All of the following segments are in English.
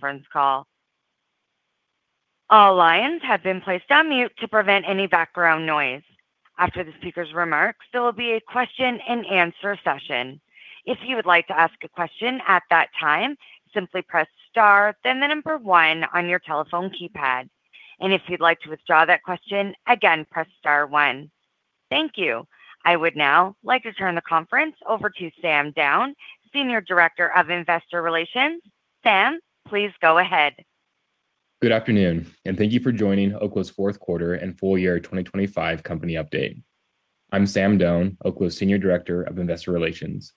Conference call. All lines have been placed on mute to prevent any background noise. After the speaker's remarks, there will be a question and answer session. If you would like to ask a question at that time, simply press star, then the number one on your telephone keypad. If you'd like to withdraw that question, again, press star one. Thank you. I would now like to turn the conference over to Sam Doane, Senior Director of Investor Relations. Sam, please go ahead. Good afternoon, and thank you for joining Oklo's Q4 and full year 2025 company update. I'm Sam Doane, Oklo's Senior Director of Investor Relations.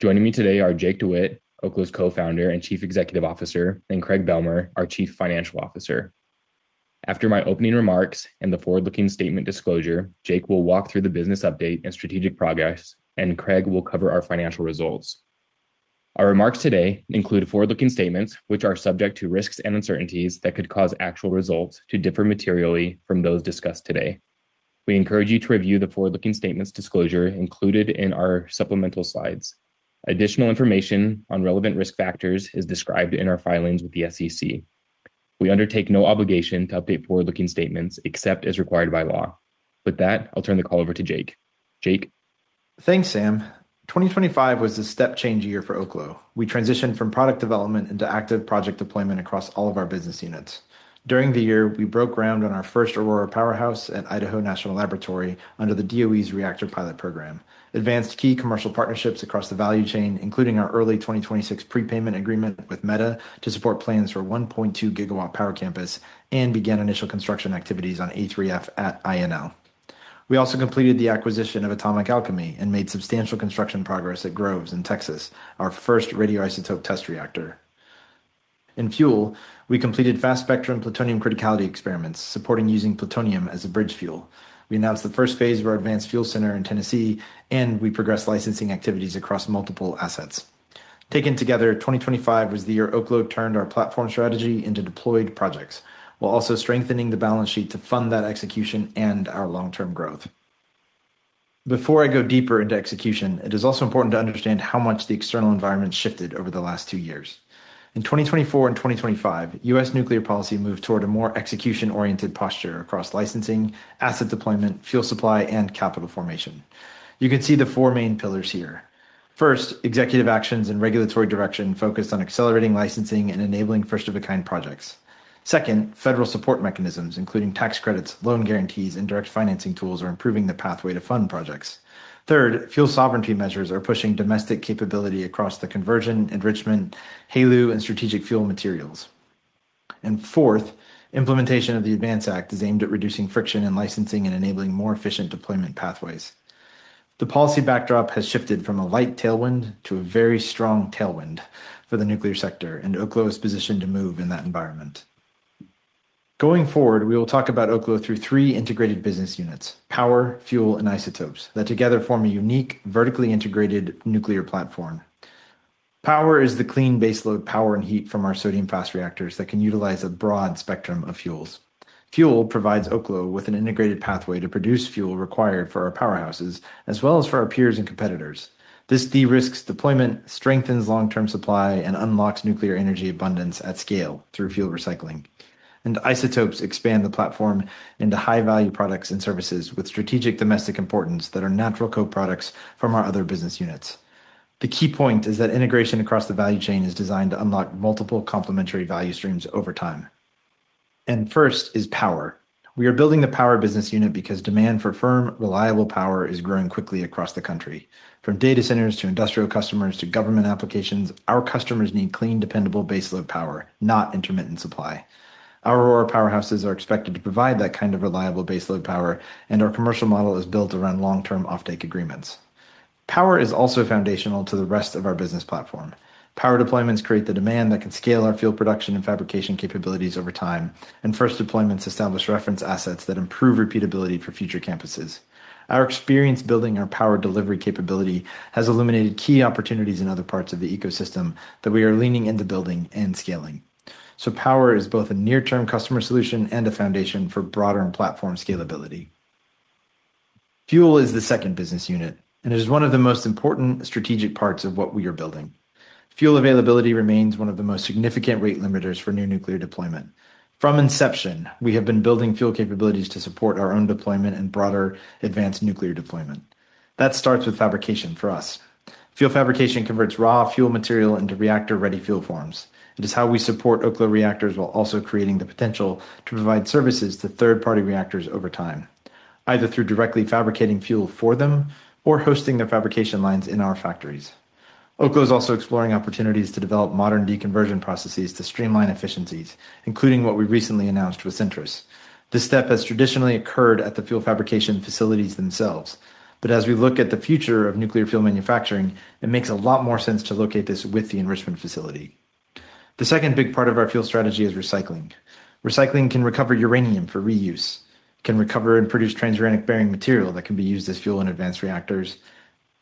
Joining me today are Jake DeWitte, Oklo's Co-founder and Chief Executive Officer, and Craig Bealmear, our Chief Financial Officer. After my opening remarks and the forward-looking statement disclosure, Jake will walk through the business update and strategic progress, and Craig will cover our financial results. Our remarks today include forward-looking statements, which are subject to risks and uncertainties that could cause actual results to differ materially from those discussed today. We encourage you to review the forward-looking statements disclosure included in our supplemental slides. Additional information on relevant risk factors is described in our filings with the SEC. We undertake no obligation to update forward-looking statements except as required by law. With that, I'll turn the call over to Jake. Jake? Thanks, Sam. 2025 was a step-change year for Oklo. We transitioned from product development into active project deployment across all of our business units. During the year, we broke ground on our first Aurora powerhouse at Idaho National Laboratory under the DOE's Reactor Pilot Program, advanced key commercial partnerships across the value chain, including our early 2026 prepayment agreement with Meta to support plans for 1.2-gigawatt power campus, and began initial construction activities on A3F at INL. We also completed the acquisition of Atomic Alchemy and made substantial construction progress at Groves in Texas, our first radioisotope test reactor. In fuel, we completed fast-spectrum plutonium criticality experiments supporting using plutonium as a bridge fuel. We announced the first phase of our advanced fuel center in Tennessee, and we progressed licensing activities across multiple assets. Taken together, 2025 was the year Oklo turned our platform strategy into deployed projects while also strengthening the balance sheet to fund that execution and our long-term growth. Before I go deeper into execution, it is also important to understand how much the external environment shifted over the last two years. In 2024 and 2025, U.S. nuclear policy moved toward a more execution-oriented posture across licensing, asset deployment, fuel supply, and capital formation. You can see the four main pillars here. First, executive actions and regulatory direction focused on accelerating licensing and enabling first-of-a-kind projects. Second, federal support mechanisms, including tax credits, loan guarantees, and direct financing tools, are improving the pathway to fund projects. Third, fuel sovereignty measures are pushing domestic capability across the conversion, enrichment, HALEU, and strategic fuel materials. Fourth, implementation of the ADVANCE Act is aimed at reducing friction in licensing and enabling more efficient deployment pathways. The policy backdrop has shifted from a light tailwind to a very strong tailwind for the nuclear sector, and Oklo is positioned to move in that environment. Going forward, we will talk about Oklo through three integrated business units, power, fuel, and isotopes that together form a unique, vertically integrated nuclear platform. Power is the clean baseload power and heat from our sodium fast reactors that can utilize a broad spectrum of fuels. Fuel provides Oklo with an integrated pathway to produce fuel required for our powerhouses as well as for our peers and competitors. This de-risks deployment, strengthens long-term supply, and unlocks nuclear energy abundance at scale through fuel recycling. Isotopes expand the platform into high-value products and services with strategic domestic importance that are natural co-products from our other business units. The key point is that integration across the value chain is designed to unlock multiple complementary value streams over time. First is power. We are building the power business unit because demand for firm, reliable power is growing quickly across the country. From data centers to industrial customers to government applications, our customers need clean, dependable baseload power, not intermittent supply. Our Aurora powerhouses are expected to provide that kind of reliable baseload power, and our commercial model is built around long-term offtake agreements. Power is also foundational to the rest of our business platform. Power deployments create the demand that can scale our fuel production and fabrication capabilities over time, and first deployments establish reference assets that improve repeatability for future campuses. Our experience building our power delivery capability has illuminated key opportunities in other parts of the ecosystem that we are leaning into building and scaling. Power is both a near-term customer solution and a foundation for broader and platform scalability. Fuel is the second business unit and is one of the most important strategic parts of what we are building. Fuel availability remains one of the most significant rate limiters for new nuclear deployment. From inception, we have been building fuel capabilities to support our own deployment and broader advanced nuclear deployment. That starts with fabrication for us. Fuel fabrication converts raw fuel material into reactor-ready fuel forms. It is how we support Oklo reactors while also creating the potential to provide services to third-party reactors over time, either through directly fabricating fuel for them or hosting their fabrication lines in our factories. Oklo is also exploring opportunities to develop modern deconversion processes to streamline efficiencies, including what we recently announced with Centrus. This step has traditionally occurred at the fuel fabrication facilities themselves. As we look at the future of nuclear fuel manufacturing, it makes a lot more sense to locate this with the enrichment facility. The second big part of our fuel strategy is recycling. Recycling can recover uranium for reuse, can recover and produce transuranic-bearing material that can be used as fuel in advanced reactors.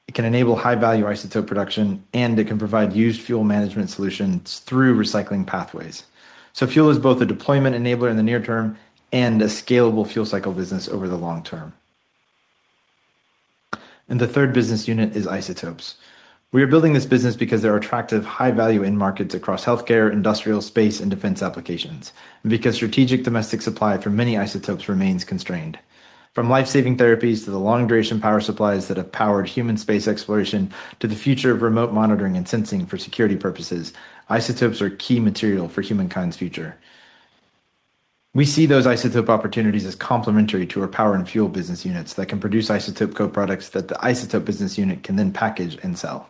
It can enable high-value isotope production, and it can provide used fuel management solutions through recycling pathways. Fuel is both a deployment enabler in the near term and a scalable fuel cycle business over the long term. The third business unit is isotopes. We are building this business because there are attractive high value end markets across healthcare, industrial, space, and defense applications, and because strategic domestic supply for many isotopes remains constrained. From life-saving therapies to the long-duration power supplies that have powered human space exploration to the future of remote monitoring and sensing for security purposes, isotopes are key material for humankind's future. We see those isotope opportunities as complementary to our power and fuel business units that can produce isotope co-products that the isotope business unit can then package and sell.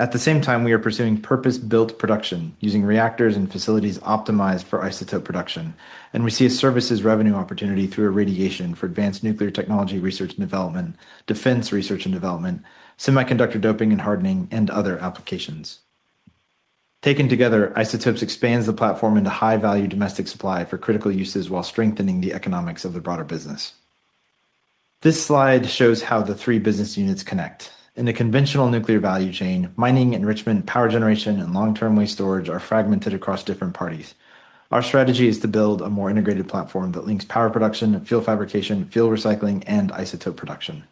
At the same time, we are pursuing purpose-built production using reactors and facilities optimized for isotope production. We see a services revenue opportunity through irradiation for advanced nuclear technology research and development, defense research and development, semiconductor doping and hardening, and other applications. Taken together, isotopes expands the platform into high-value domestic supply for critical uses while strengthening the economics of the broader business. This slide shows how the three business units connect. In the conventional nuclear value chain, mining, enrichment, power generation, and long-term waste storage are fragmented across different parties. Our strategy is to build a more integrated platform that links power production, fuel fabrication, fuel recycling, and isotope production.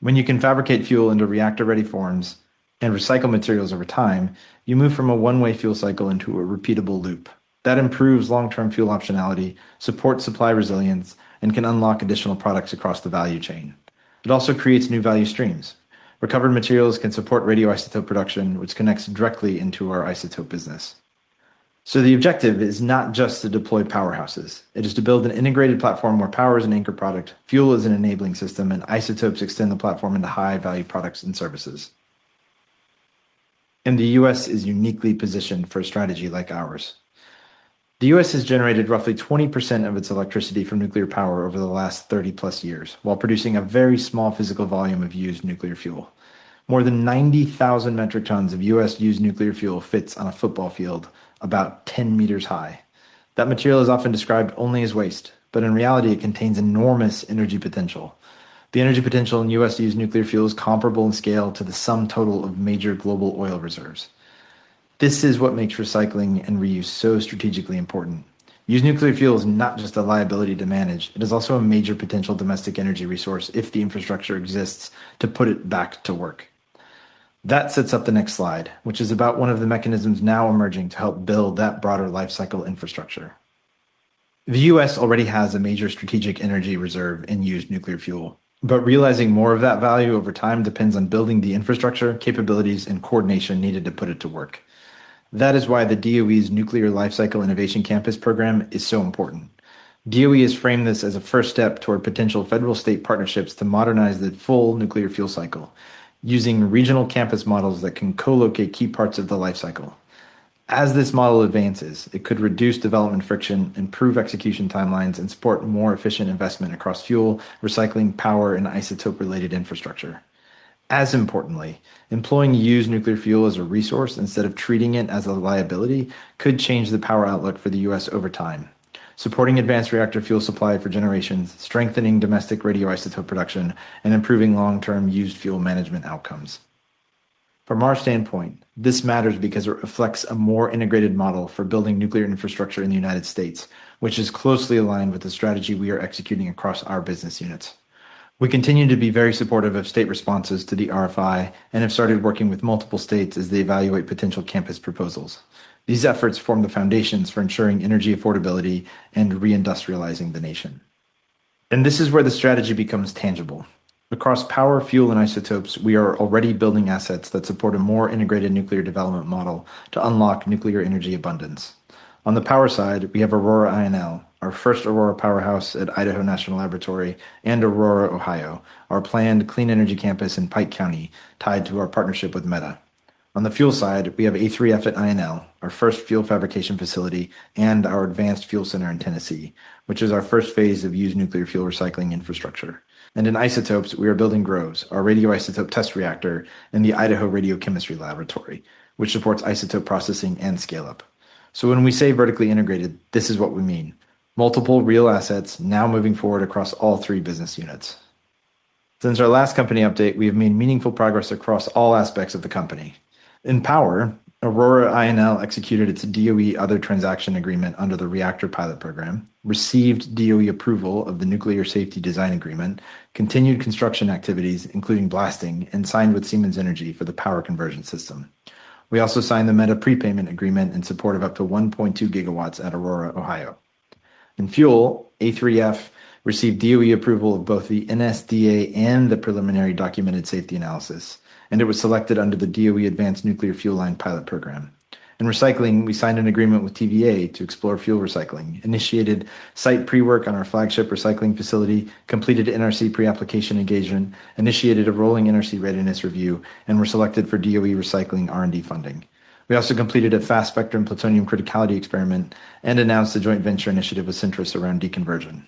When you can fabricate fuel into reactor-ready forms and recycle materials over time, you move from a one-way fuel cycle into a repeatable loop. That improves long-term fuel optionality, supports supply resilience, and can unlock additional products across the value chain. It also creates new value streams. Recovered materials can support radioisotope production, which connects directly into our isotope business. The objective is not just to deploy powerhouses. It is to build an integrated platform where power is an anchor product, fuel is an enabling system, and isotopes extend the platform into high-value products and services. The U.S. is uniquely positioned for a strategy like ours. The U.S. has generated roughly 20% of its electricity from nuclear power over the last 30+ years while producing a very small physical volume of used nuclear fuel. More than 90,000 metric tons of U.S. used nuclear fuel fits on a football field about 10 meters high. That material is often described only as waste, but in reality, it contains enormous energy potential. The energy potential in U.S. used nuclear fuel is comparable in scale to the sum total of major global oil reserves. This is what makes recycling and reuse so strategically important. Used nuclear fuel is not just a liability to manage, it is also a major potential domestic energy resource if the infrastructure exists to put it back to work. That sets up the next slide, which is about one of the mechanisms now emerging to help build that broader life cycle infrastructure. The U.S. already has a major strategic energy reserve in used nuclear fuel, but realizing more of that value over time depends on building the infrastructure, capabilities, and coordination needed to put it to work. That is why the DOE's Nuclear Lifecycle Innovation Campuses is so important. DOE has framed this as a first step toward potential federal-state partnerships to modernize the full nuclear fuel cycle using regional campus models that can co-locate key parts of the life cycle. As this model advances, it could reduce development friction, improve execution timelines, and support more efficient investment across fuel, recycling power, and isotope-related infrastructure. As importantly, employing used nuclear fuel as a resource instead of treating it as a liability could change the power outlook for the U.S. over time, supporting advanced reactor fuel supply for generations, strengthening domestic radioisotope production, and improving long-term used fuel management outcomes. From our standpoint, this matters because it reflects a more integrated model for building nuclear infrastructure in the United States, which is closely aligned with the strategy we are executing across our business units. We continue to be very supportive of state responses to the RFI and have started working with multiple states as they evaluate potential campus proposals. These efforts form the foundations for ensuring energy affordability and re-industrializing the nation. This is where the strategy becomes tangible. Across power, fuel, and isotopes, we are already building assets that support a more integrated nuclear development model to unlock nuclear energy abundance. On the power side, we have Aurora INL, our first Aurora powerhouse at Idaho National Laboratory, and Aurora, Ohio, our planned clean energy campus in Pike County tied to our partnership with Meta. On the fuel side, we have A3F at INL, our first fuel fabrication facility, and our advanced fuel center in Tennessee, which is our first phase of used nuclear fuel recycling infrastructure. In isotopes, we are building Groves, our radioisotope test reactor in the Idaho Radiochemistry Laboratory, which supports isotope processing and scale-up. When we say vertically integrated, this is what we mean. Multiple real assets now moving forward across all three business units. Since our last company update, we have made meaningful progress across all aspects of the company. In power, Aurora INL executed its DOE Other Transaction Agreement under the Reactor Pilot Program, received DOE approval of the Nuclear Safety Design Agreement, continued construction activities, including blasting, and signed with Siemens Energy for the power conversion system. We also signed the Meta prepayment agreement in support of up to 1.2 gigawatts at Aurora, Ohio. In fuel, A3F received DOE approval of both the NSDA and the Preliminary Documented Safety Analysis, and it was selected under the DOE Advanced Nuclear Fuel Line Pilot Program. In recycling, we signed an agreement with TVA to explore fuel recycling, initiated site pre-work on our flagship recycling facility, completed NRC pre-application engagement, initiated a rolling NRC readiness review, and were selected for DOE recycling R&D funding. We also completed a fast-spectrum plutonium criticality experiment and announced a joint venture initiative with Centrus around deconversion.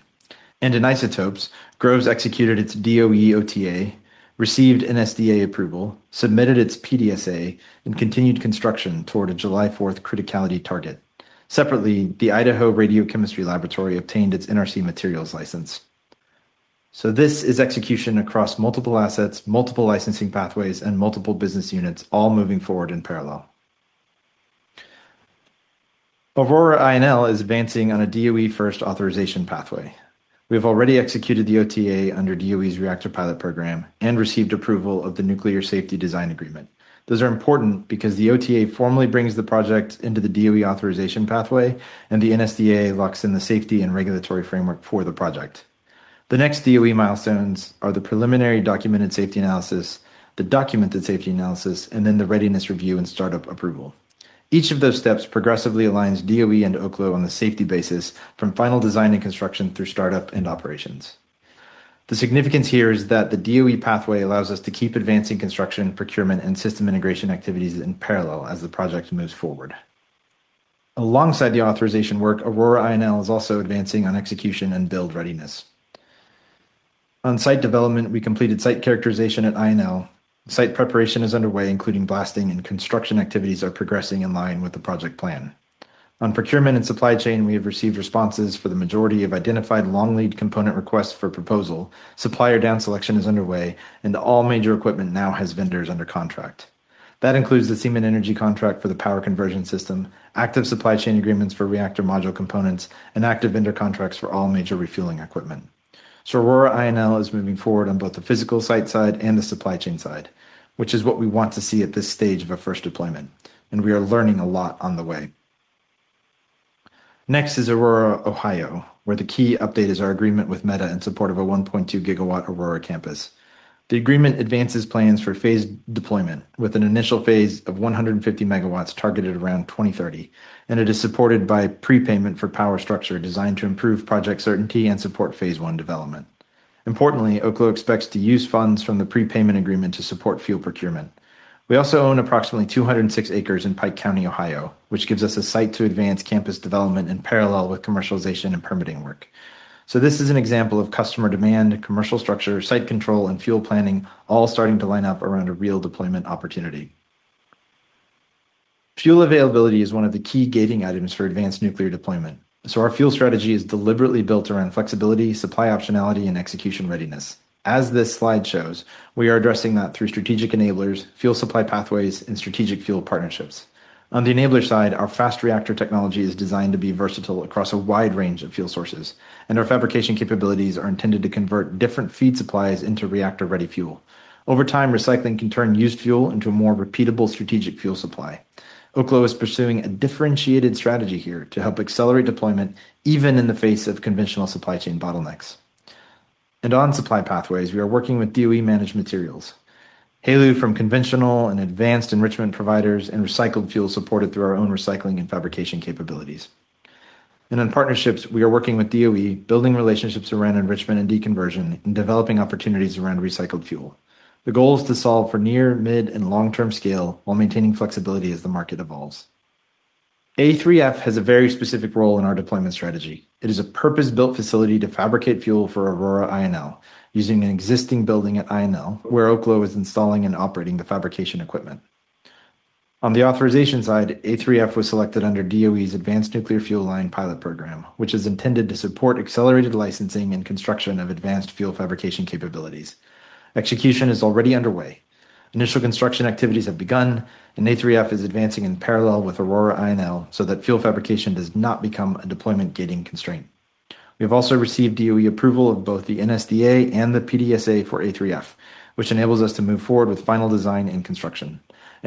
In isotopes, Groves executed its DOE OTA, received NSDA approval, submitted its PDSA, and continued construction toward a July 4th criticality target. Separately, the Idaho Radiochemistry Laboratory obtained its NRC materials license. This is execution across multiple assets, multiple licensing pathways, and multiple business units all moving forward in parallel. Aurora INL is advancing on a DOE first authorization pathway. We have already executed the OTA under DOE's Reactor Pilot Program and received approval of the Nuclear Safety Design Agreement. Those are important because the OTA formally brings the project into the DOE authorization pathway and the NSDA locks in the safety and regulatory framework for the project. The next DOE milestones are the Preliminary Documented Safety Analysis, the documented safety analysis, and then the readiness review and startup approval. Each of those steps progressively aligns DOE and Oklo on the safety basis from final design and construction through startup and operations. The significance here is that the DOE pathway allows us to keep advancing construction, procurement, and system integration activities in parallel as the project moves forward. Alongside the authorization work, Aurora INL is also advancing on execution and build readiness. On-site development, we completed site characterization at INL. Site preparation is underway, including blasting, and construction activities are progressing in line with the project plan. On procurement and supply chain, we have received responses for the majority of identified long-lead component requests for proposal. Supplier down selection is underway and all major equipment now has vendors under contract. That includes the Siemens Energy contract for the power conversion system, active supply chain agreements for reactor module components, and active vendor contracts for all major refueling equipment. Aurora INL is moving forward on both the physical site side and the supply chain side, which is what we want to see at this stage of a first deployment. We are learning a lot on the way. Next is Aurora, Ohio, where the key update is our agreement with Meta in support of a 1.2 gigawatt Aurora campus. The agreement advances plans for phased deployment with an initial phase of 150 megawatts targeted around 2030. It is supported by prepayment for power structure designed to improve project certainty and support phase one development. Importantly, Oklo expects to use funds from the prepayment agreement to support fuel procurement. We also own approximately 206 acres in Pike County, Ohio, which gives us a site to advance campus development in parallel with commercialization and permitting work. This is an example of customer demand, commercial structure, site control, and fuel planning all starting to line up around a real deployment opportunity. Fuel availability is one of the key gating items for advanced nuclear deployment. Our fuel strategy is deliberately built around flexibility, supply optionality, and execution readiness. As this slide shows, we are addressing that through strategic enablers, fuel supply pathways, and strategic fuel partnerships. On the enabler side, our fast reactor technology is designed to be versatile across a wide range of fuel sources. And our fabrication capabilities are intended to convert different feed supplies into reactor-ready fuel. Over time, recycling can turn used fuel into a more repeatable strategic fuel supply. Oklo is pursuing a differentiated strategy here to help accelerate deployment even in the face of conventional supply chain bottlenecks. On supply pathways, we are working with DOE-managed materials. HALEU from conventional and advanced enrichment providers and recycled fuel supported through our own recycling and fabrication capabilities. On partnerships, we are working with DOE, building relationships around enrichment and deconversion, and developing opportunities around recycled fuel. The goal is to solve for near, mid, and long-term scale while maintaining flexibility as the market evolves. A3F has a very specific role in our deployment strategy. It is a purpose-built facility to fabricate fuel for Aurora INL using an existing building at INL where Oklo is installing and operating the fabrication equipment. On the authorization side, A3F was selected under DOE's Advanced Nuclear Fuel Line Pilot Program, which is intended to support accelerated licensing and construction of advanced fuel fabrication capabilities. Execution is already underway. Initial construction activities have begun and A3F is advancing in parallel with Aurora INL so that fuel fabrication does not become a deployment gating constraint. We have also received DOE approval of both the NSDA and the PDSA for A3F, which enables us to move forward with final design and construction.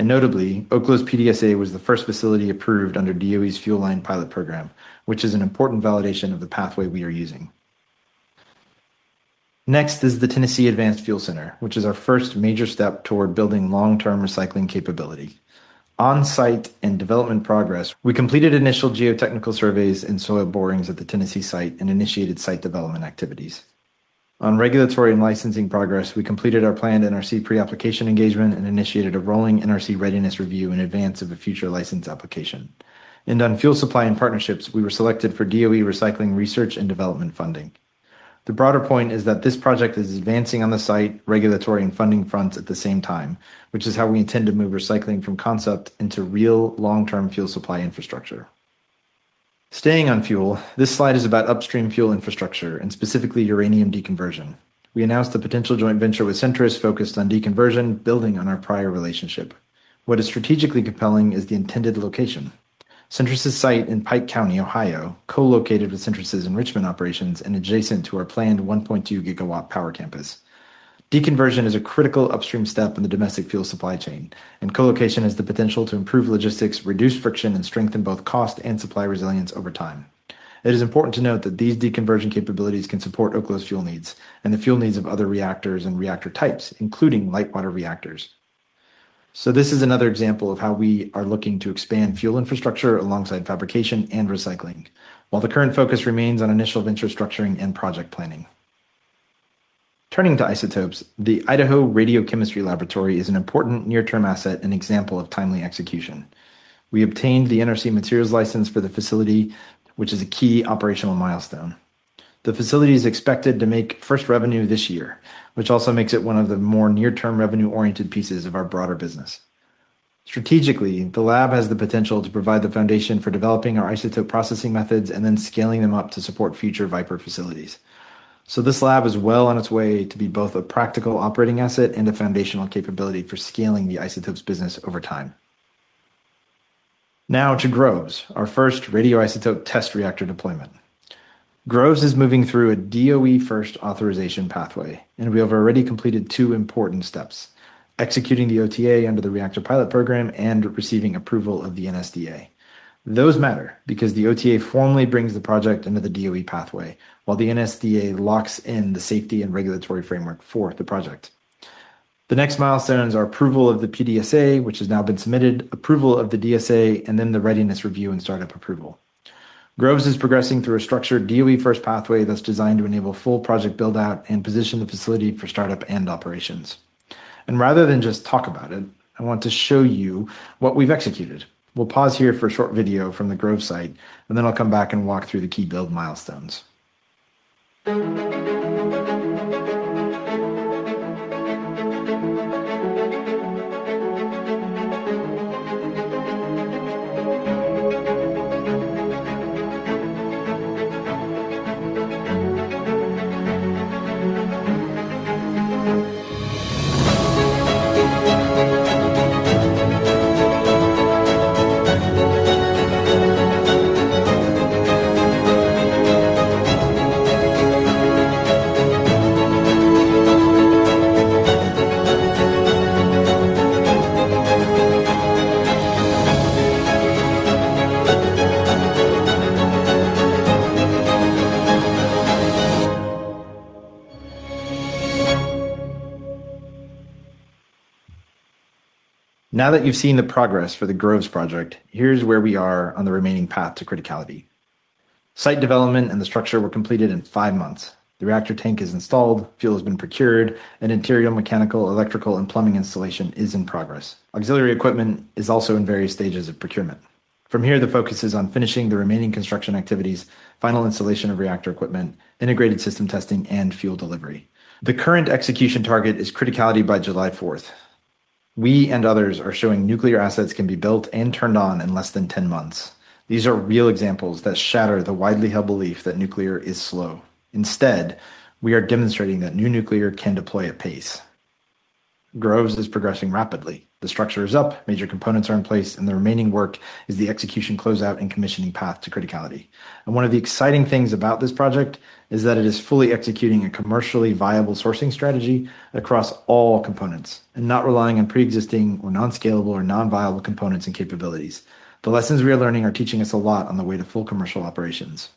Notably, Oklo's PDSA was the first facility approved under DOE's Fuel Line Pilot Program, which is an important validation of the pathway we are using. Next is the Tennessee Advanced Fuel Center, which is our first major step toward building long-term recycling capability. On-site and development progress, we completed initial geotechnical surveys and soil borings at the Tennessee site and initiated site development activities. On regulatory and licensing progress, we completed our planned NRC pre-application engagement and initiated a rolling NRC readiness review in advance of a future license application. On fuel supply and partnerships, we were selected for DOE recycling research and development funding. The broader point is that this project is advancing on the site, regulatory, and funding fronts at the same time, which is how we intend to move recycling from concept into real long-term fuel supply infrastructure. Staying on fuel, this slide is about upstream fuel infrastructure and specifically uranium deconversion. We announced a potential joint venture with Centrus focused on deconversion, building on our prior relationship. What is strategically compelling is the intended location. Centrus' site in Pike County, Ohio, co-located with Centrus' enrichment operations and adjacent to our planned 1.2 GW power campus. Deconversion is a critical upstream step in the domestic fuel supply chain and co-location has the potential to improve logistics, reduce friction, and strengthen both cost and supply resilience over time. It is important to note that these deconversion capabilities can support Oklo's fuel needs and the fuel needs of other reactors and reactor types, including light water reactors. This is another example of how we are looking to expand fuel infrastructure alongside fabrication and recycling, while the current focus remains on initial venture structuring and project planning. Turning to isotopes, the Idaho Radiochemistry Laboratory is an important near-term asset and example of timely execution. We obtained the NRC materials license for the facility, which is a key operational milestone. The facility is expected to make first revenue this year, which also makes it one of the more near-term revenue-oriented pieces of our broader business. Strategically, the lab has the potential to provide the foundation for developing our isotope processing methods and then scaling them up to support future VIPER facilities. This lab is well on its way to be both a practical operating asset and a foundational capability for scaling the isotopes business over time. Now to Groves, our first radioisotope test reactor deployment. Groves is moving through a DOE first authorization pathway, and we have already completed two important steps, executing the OTA under the Reactor Pilot program and receiving approval of the NSDA. Those matter because the OTA formally brings the project under the DOE pathway, while the NSDA locks in the safety and regulatory framework for the project. The next milestones are approval of the PDSA, which has now been submitted, approval of the DSA, and then the readiness review and startup approval. Groves is progressing through a structured DOE-first pathway that's designed to enable full project build-out and position the facility for startup and operations. Rather than just talk about it, I want to show you what we've executed. We'll pause here for a short video from the Groves site, and then I'll come back and walk through the key build milestones. Now that you've seen the progress for the Groves project, here's where we are on the remaining path to criticality. Site development and the structure were completed in five months. The reactor tank is installed, fuel has been procured, and interior, mechanical, electrical, and plumbing installation is in progress. Auxiliary equipment is also in various stages of procurement. From here, the focus is on finishing the remaining construction activities, final installation of reactor equipment, integrated system testing, and fuel delivery. The current execution target is criticality by July 4th. We and others are showing nuclear assets can be built and turned on in less than 10 months. These are real examples that shatter the widely held belief that nuclear is slow. Instead, we are demonstrating that new nuclear can deploy at pace. Groves is progressing rapidly. The structure is up, major components are in place, and the remaining work is the execution closeout and commissioning path to criticality. One of the exciting things about this project is that it is fully executing a commercially viable sourcing strategy across all components and not relying on pre-existing or non-scalable or non-viable components and capabilities. The lessons we are learning are teaching us a lot on the way to full commercial operations.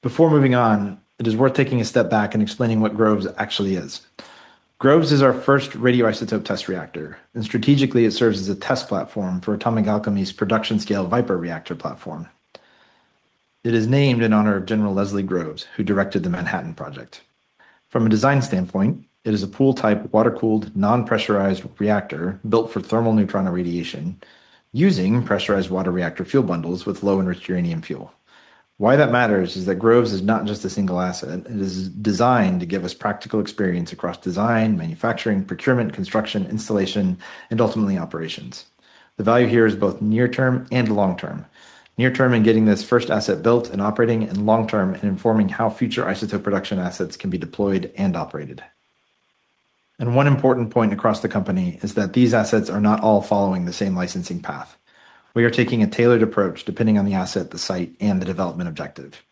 Before moving on, it is worth taking a step back and explaining what Groves actually is. Groves is our first radioisotope test reactor, and strategically it serves as a test platform for Atomic Alchemy's production-scale VIPER Reactor platform. It is named in honor of General Leslie Groves, who directed the Manhattan Project. From a design standpoint, it is a pool-type, water-cooled, non-pressurized reactor built for thermal neutron irradiation using pressurized water reactor fuel bundles with low-enriched uranium fuel. Why that matters is that Groves is not just a single asset. It is designed to give us practical experience across design, manufacturing, procurement, construction, installation, and ultimately operations. The value here is both near-term and long-term, near-term in getting this first asset built and operating and long-term in informing how future isotope production assets can be deployed and operated. One important point across the company is that these assets are not all following the same licensing path. We are taking a tailored approach depending on the asset, the site, and the development objective.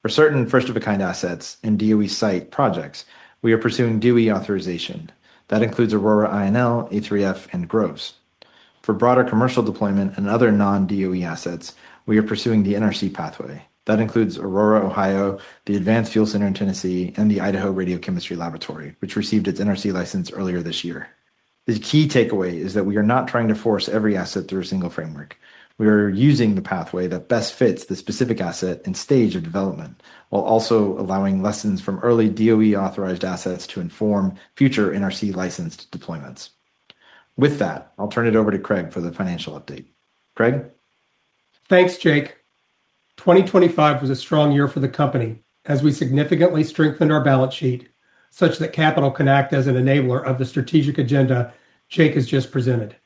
For certain first-of-a-kind assets and DOE site projects, we are pursuing DOE authorization. That includes Aurora INL, A3F, and Groves. For broader commercial deployment and other non-DOE assets, we are pursuing the NRC pathway. That includes Aurora, Ohio, the Advanced Fuel Center in Tennessee, and the Idaho Radiochemistry Laboratory, which received its NRC license earlier this year. The key takeaway is that we are not trying to force every asset through a single framework. We are using the pathway that best fits the specific asset and stage of development while also allowing lessons from early DOE-authorized assets to inform future NRC-licensed deployments. With that, I'll turn it over to Craig for the financial update. Craig? Thanks, Jake. 2025 was a strong year for the company as we significantly strengthened our balance sheet such that capital can act as an enabler of the strategic agenda Jake has just presented.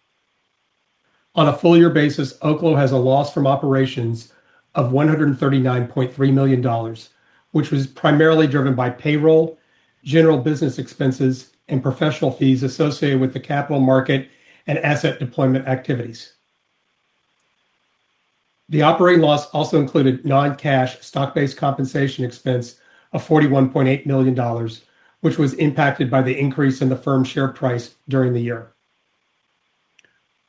On a full-year basis, Oklo has a loss from operations of $139.3 million, which was primarily driven by payroll, general business expenses, and professional fees associated with the capital market and asset deployment activities. The operating loss also included non-cash stock-based compensation expense of $41.8 million, which was impacted by the increase in the firm share price during the year.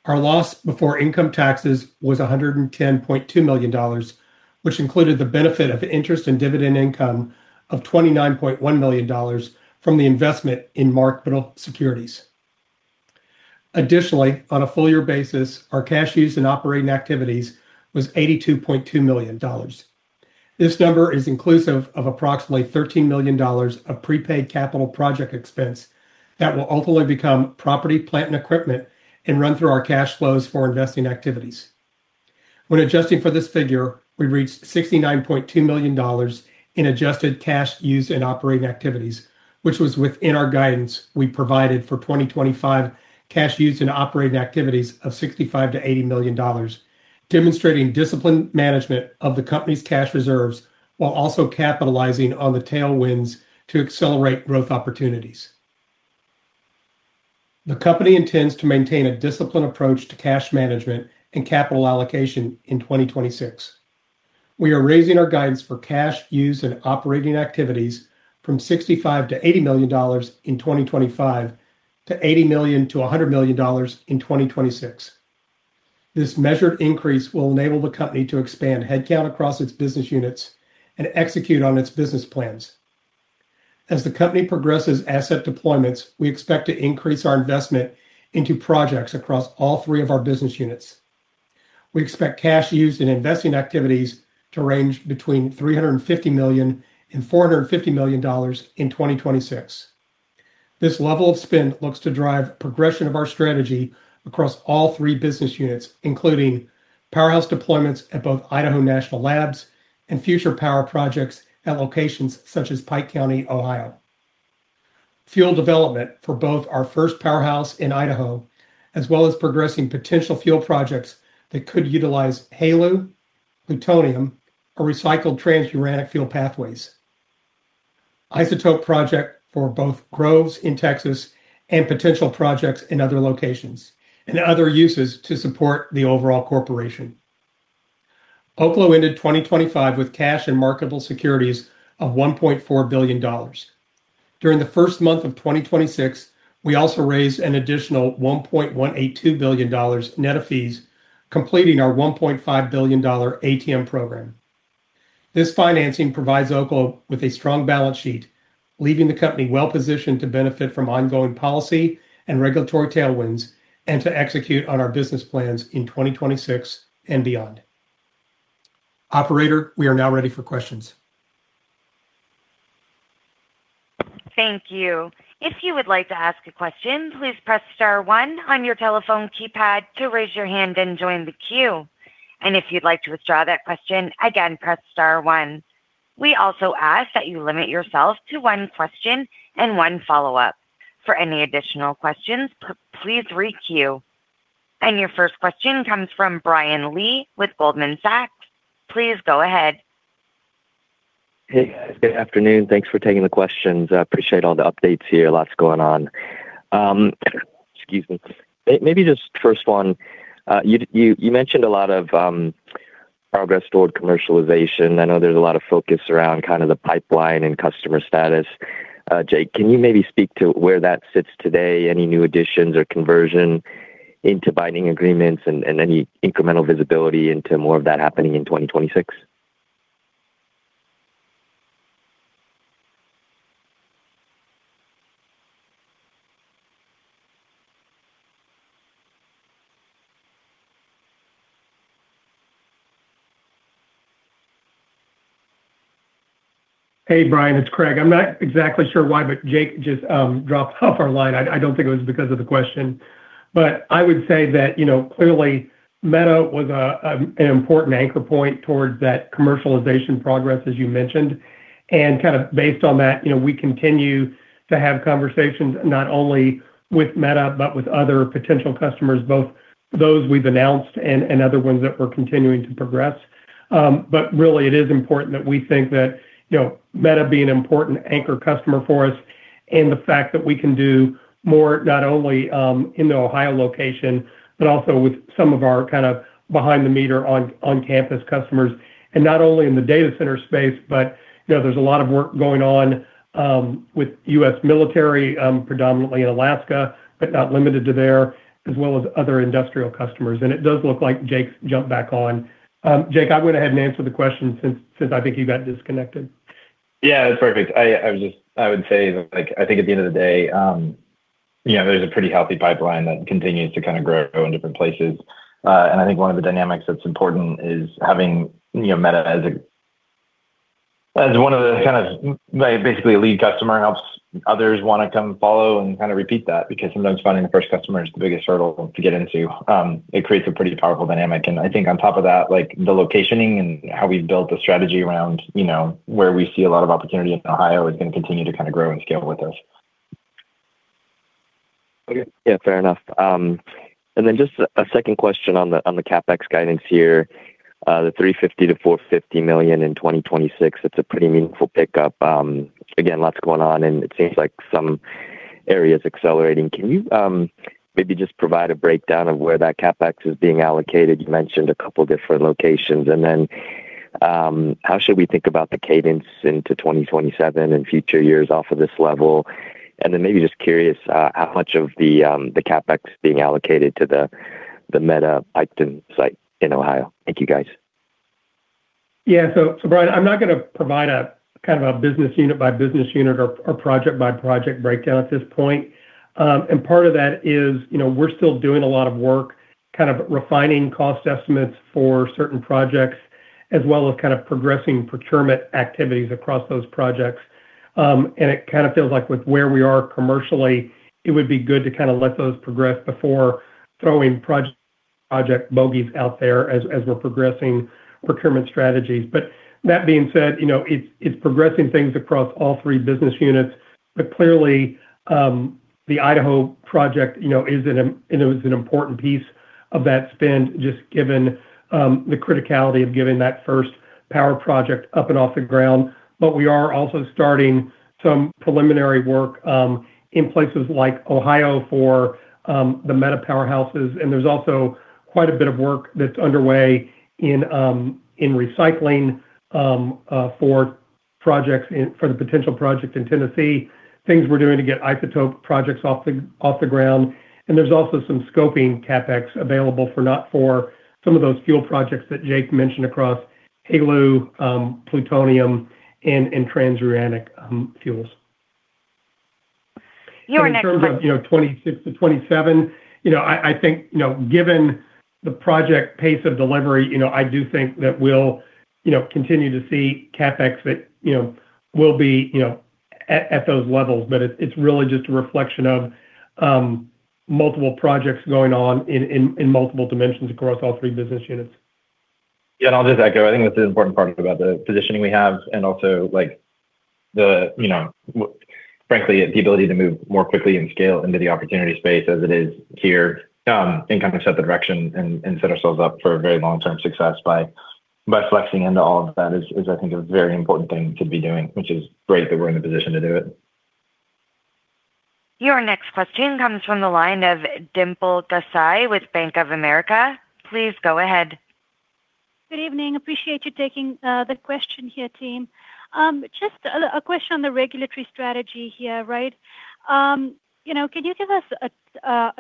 Our loss before income taxes was $110.2 million, which included the benefit of interest and dividend income of $29.1 million from the investment in marketable securities. Additionally, on a full-year basis, our cash used in operating activities was $82.2 million. This number is inclusive of approximately $13 million of prepaid capital project expense that will ultimately become property, plant, and equipment and run through our cash flows for investing activities. When adjusting for this figure, we reached $69.2 million in adjusted cash used in operating activities, which was within our guidance we provided for 2025 cash used in operating activities of $65 million to $80 million, demonstrating disciplined management of the company's cash reserves while also capitalizing on the tailwinds to accelerate growth opportunities. The company intends to maintain a disciplined approach to cash management and capital allocation in 2026. We are raising our guidance for cash used in operating activities from $65 million to $80 million in 2025 to $80 million to $100 million in 2026. This measured increase will enable the company to expand headcount across its business units and execute on its business plans. As the company progresses asset deployments, we expect to increase our investment into projects across all three of our business units. We expect cash used in investing activities to range between $350 million and $450 million in 2026. This level of spend looks to drive progression of our strategy across all three business units, including powerhouse deployments at both Idaho National Laboratory and future power projects at locations such as Pike County, Ohio. Fuel development for both our first powerhouse in Idaho, as well as progressing potential fuel projects that could utilize HALEU, plutonium, or recycled transuranic fuel pathways. Isotope project for both Groves in Texas and potential projects in other locations, and other uses to support the overall corporation. Oklo ended 2025 with cash and marketable securities of $1.4 billion. During the first month of 2026, we also raised an additional $1.182 billion net of fees, completing our $1.5 billion ATM program. This financing provides Oklo with a strong balance sheet, leaving the company well-positioned to benefit from ongoing policy and regulatory tailwinds and to execute on our business plans in 2026 and beyond. Operator, we are now ready for questions. Thank you. If you would like to ask a question, please press star one on your telephone keypad to raise your hand and join the queue. If you'd like to withdraw that question, again, press star one. We also ask that you limit yourself to one question and one follow-up. For any additional questions, please re-queue. Your first question comes from Brian Lee with Goldman Sachs. Please go ahead. Hey, guys. Good afternoon. Thanks for taking the questions. I appreciate all the updates here. Lots going on. Maybe just first one, you mentioned a lot of progress toward commercialization. I know there's a lot of focus around kind of the pipeline and customer status. Jake, can you maybe speak to where that sits today, any new additions or conversion into binding agreements and any incremental visibility into more of that happening in 2026? Hey, Brian. It's Craig. I'm not exactly sure why, but Jake just dropped off our line. I don't think it was because of the question. I would say that, you know, clearly Meta was an important anchor point towards that commercialization progress, as you mentioned. Kind of based on that, you know, we continue to have conversations not only with Meta, but with other potential customers, both those we've announced and other ones that we're continuing to progress. Really it is important that we think that, you know, Meta being an important anchor customer for us and the fact that we can do more not only in the Ohio location, but also with some of our kind of behind-the-meter on-campus customers, and not only in the data center space, but, you know, there's a lot of work going on with U.S. military, predominantly in Alaska, but not limited to there, as well as other industrial customers. It does look like Jake's jumped back on. Jake, I went ahead and answered the question since I think you got disconnected. Yeah. It's perfect. I would say that, like, I think at the end of the day, you know, there's a pretty healthy pipeline that continues to kind of grow in different places. I think one of the dynamics that's important is having, you know, Meta as one of the kind of major basically lead customer helps others wanna come follow and kind of repeat that because sometimes finding the first customer is the biggest hurdle to get into. It creates a pretty powerful dynamic. I think on top of that, like, the locationing and how we've built the strategy around, you know, where we see a lot of opportunity in Ohio is gonna continue to kinda grow and scale with us. Okay. Yeah. Fair enough. Just a second question on the CapEx guidance here. The $350 million to $450 million in 2026, it's a pretty meaningful pickup. Again, lots going on, and it seems like some areas accelerating. Can you maybe just provide a breakdown of where that CapEx is being allocated? You mentioned a couple different locations. How should we think about the cadence into 2027 and future years off of this level? Maybe just curious how much of the CapEx being allocated to the Meta Piketon site in Ohio. Thank you, guys. Yeah. Brian, I'm not gonna provide a kind of a business unit by business unit or project by project breakdown at this point. Part of that is, you know, we're still doing a lot of work, kind of refining cost estimates for certain projects as well as kind of progressing procurement activities across those projects. It kinda feels like with where we are commercially, it would be good to kinda let those progress before throwing project bogeys out there as we're progressing procurement strategies. That being said, you know, it's progressing things across all three business units. Clearly, the Idaho project, you know, is an important piece of that spend, just given the criticality of getting that first power project up and off the ground. We are also starting some preliminary work in places like Ohio for the Meta powerhouses. There's also quite a bit of work that's underway in recycling for the potential project in Tennessee, things we're doing to get isotope projects off the ground. There's also some scoping CapEx available, not for some of those fuel projects that Jake mentioned across HALEU, plutonium and transuranic fuels. Your next question. In terms of, you know, 2026 to 2027, you know, I think, you know, given the project pace of delivery, you know, I do think that we'll, you know, continue to see CapEx that, you know, will be, you know, at those levels. But it's really just a reflection of multiple projects going on in multiple dimensions across all three business units. Yeah. I'll just echo, I think that's an important part about the positioning we have and also like the, you know, frankly, the ability to move more quickly and scale into the opportunity space as it is here, and kind of set the direction and set ourselves up for a very long-term success by flexing into all of that is I think a very important thing to be doing, which is great that we're in a position to do it. Your next question comes from the line of Dimple Gosai with Bank of America. Please go ahead. Good evening. Appreciate you taking the question here, team. Just a question on the regulatory strategy here, right? You know, can you give us a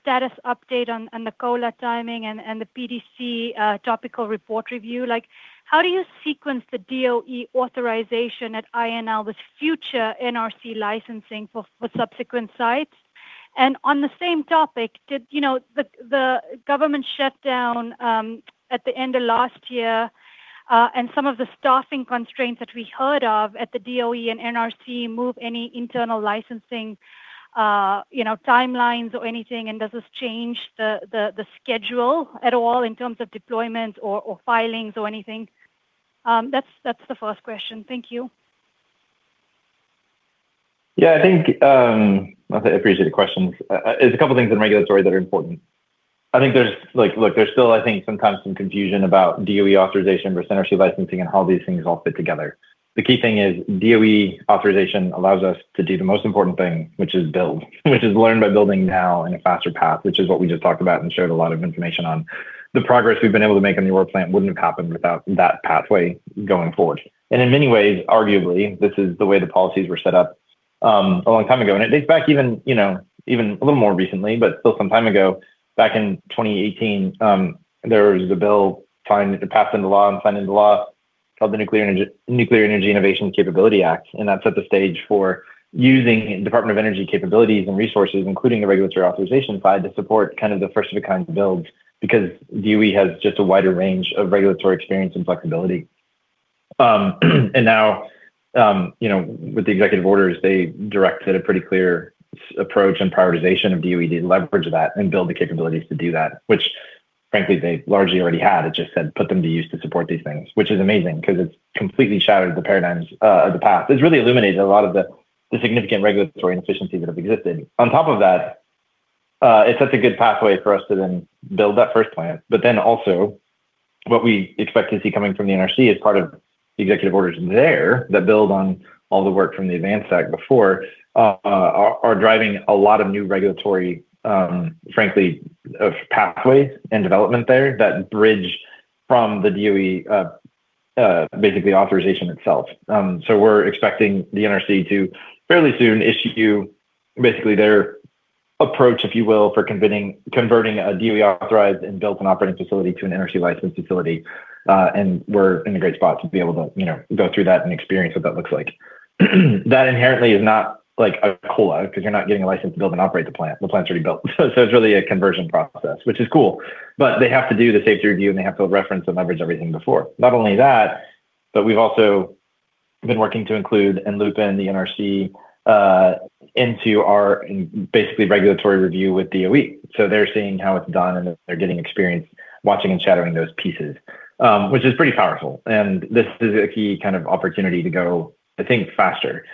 status update on the COLA timing and the PDC topical report review? Like, how do you sequence the DOE authorization at INL with future NRC licensing for subsequent sites? On the same topic, you know, the government shutdown at the end of last year and some of the staffing constraints that we heard of at the DOE and NRC move any internal licensing timelines or anything, and does this change the schedule at all in terms of deployment or filings or anything? That's the first question. Thank you. Yeah. I think, I appreciate the questions. There's a couple of things in regulatory that are important. I think look, there's still, I think, sometimes some confusion about DOE authorization versus NRC licensing and how these things all fit together. The key thing is DOE authorization allows us to do the most important thing, which is build, which is learn by building now in a faster path, which is what we just talked about and shared a lot of information on. The progress we've been able to make on the Aurora plant wouldn't have happened without that pathway going forward. In many ways, arguably, this is the way the policies were set up, a long time ago. It dates back even, you know, even a little more recently, but still some time ago. Back in 2018, there was a bill passed into law and signed into law called the Nuclear Energy Innovation Capabilities Act, and that set the stage for using Department of Energy capabilities and resources, including the regulatory authorization side, to support kind of the first of a kind builds because DOE has just a wider range of regulatory experience and flexibility. Now, you know, with the executive orders, they directed a pretty clear approach and prioritization of DOE to leverage that and build the capabilities to do that, which frankly, they largely already had. It just said, put them to use to support these things, which is amazing 'cause it's completely shattered the paradigms, or the path. It's really illuminated a lot of the significant regulatory inefficiencies that have existed. On top of that, it sets a good pathway for us to then build that first plant. Also what we expect to see coming from the NRC as part of the executive orders there that build on all the work from the ADVANCE Act before are driving a lot of new regulatory, frankly, pathways and development there that bridge from the DOE, basically authorization itself. We're expecting the NRC to fairly soon issue basically their approach, if you will, for converting a DOE-authorized and built and operating facility to an NRC licensed facility. We're in a great spot to be able to, you know, go through that and experience what that looks like. That inherently is not like a COLA because you're not getting a license to build and operate the plant. The plant's already built. It's really a conversion process, which is cool. They have to do the safety review, and they have to reference and leverage everything before. Not only that, we've also been working to include and loop in the NRC, into our basically regulatory review with DOE. They're seeing how it's done, and they're getting experience watching and shadowing those pieces, which is pretty powerful. This is a key kind of opportunity to go, I think, faster.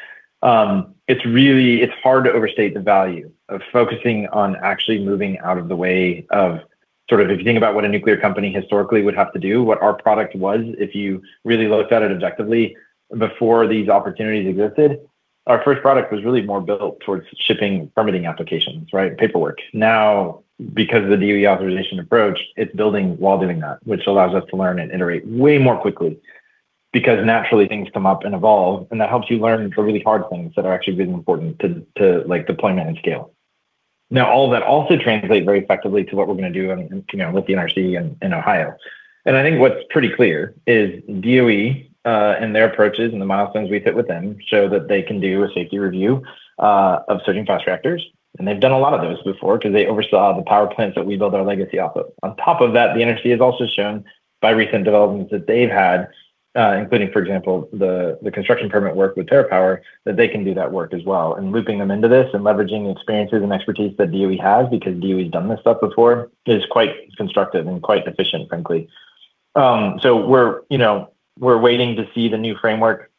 It's hard to overstate the value of focusing on actually moving out of the way of sort of if you think about what a nuclear company historically would have to do, what our product was, if you really looked at it objectively before these opportunities existed, our first product was really more built towards shipping permitting applications, right? Paperwork. Now, because of the DOE authorization approach, it's building while doing that, which allows us to learn and iterate way more quickly because naturally things come up and evolve, and that helps you learn the really hard things that are actually really important to, like, deployment and scale. Now, all of that also translate very effectively to what we're gonna do, you know, with the NRC in Ohio. I think what's pretty clear is DOE and their approaches and the milestones we hit with them show that they can do a safety review of certain fast reactors, and they've done a lot of those before because they oversaw the power plants that we build our legacy off of. On top of that, the NRC has also shown by recent developments that they've had, including, for example, the construction permit work with TerraPower, that they can do that work as well. Looping them into this and leveraging the experiences and expertise that DOE has because DOE's done this stuff before is quite constructive and quite efficient, frankly. We're waiting to see the new framework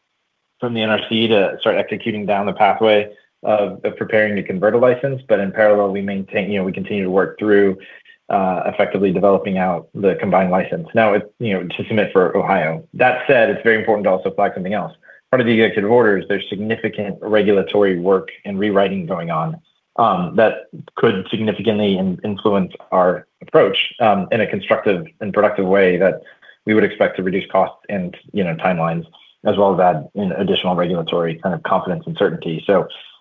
from the NRC to start executing down the pathway of preparing to convert a license. In parallel, we maintain we continue to work through effectively developing out the combined license now to submit for Ohio. That said, it's very important to also flag something else. Part of the executive orders, there's significant regulatory work and rewriting going on that could significantly influence our approach in a constructive and productive way that we would expect to reduce costs and, you know, timelines as well as add in additional regulatory kind of confidence and certainty.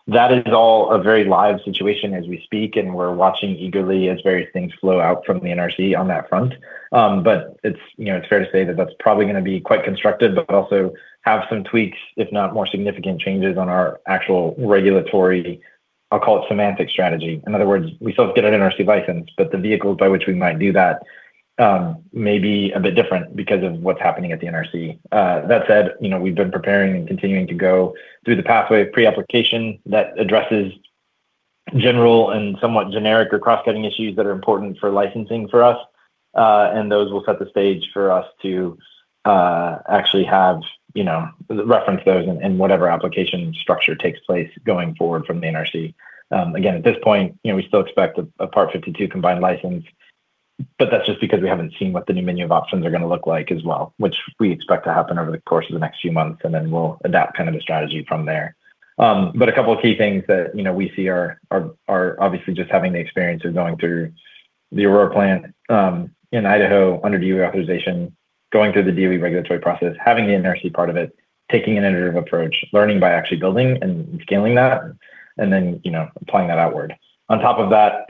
That is all a very live situation as we speak, and we're watching eagerly as various things flow out from the NRC on that front. It's, you know, it's fair to say that that's probably gonna be quite constructive but also have some tweaks, if not more significant changes on our actual regulatory, I'll call it semantic strategy. In other words, we still have to get an NRC license, but the vehicles by which we might do that may be a bit different because of what's happening at the NRC. That said, you know, we've been preparing and continuing to go through the pathway of pre-application that addresses general and somewhat generic or cross-cutting issues that are important for licensing for us. Those will set the stage for us to actually have, you know, reference those in whatever application structure takes place going forward from the NRC. Again, at this point, you know, we still expect a Part 52 combined license, but that's just because we haven't seen what the new menu of options are gonna look like as well, which we expect to happen over the course of the next few months, and then we'll adapt kind of the strategy from there. A couple of key things that, you know, we see are obviously just having the experience of going through the Aurora plant in Idaho under DOE authorization, going through the DOE regulatory process, having the NRC part of it, taking an iterative approach, learning by actually building and scaling that, and then, you know, applying that outward. On top of that,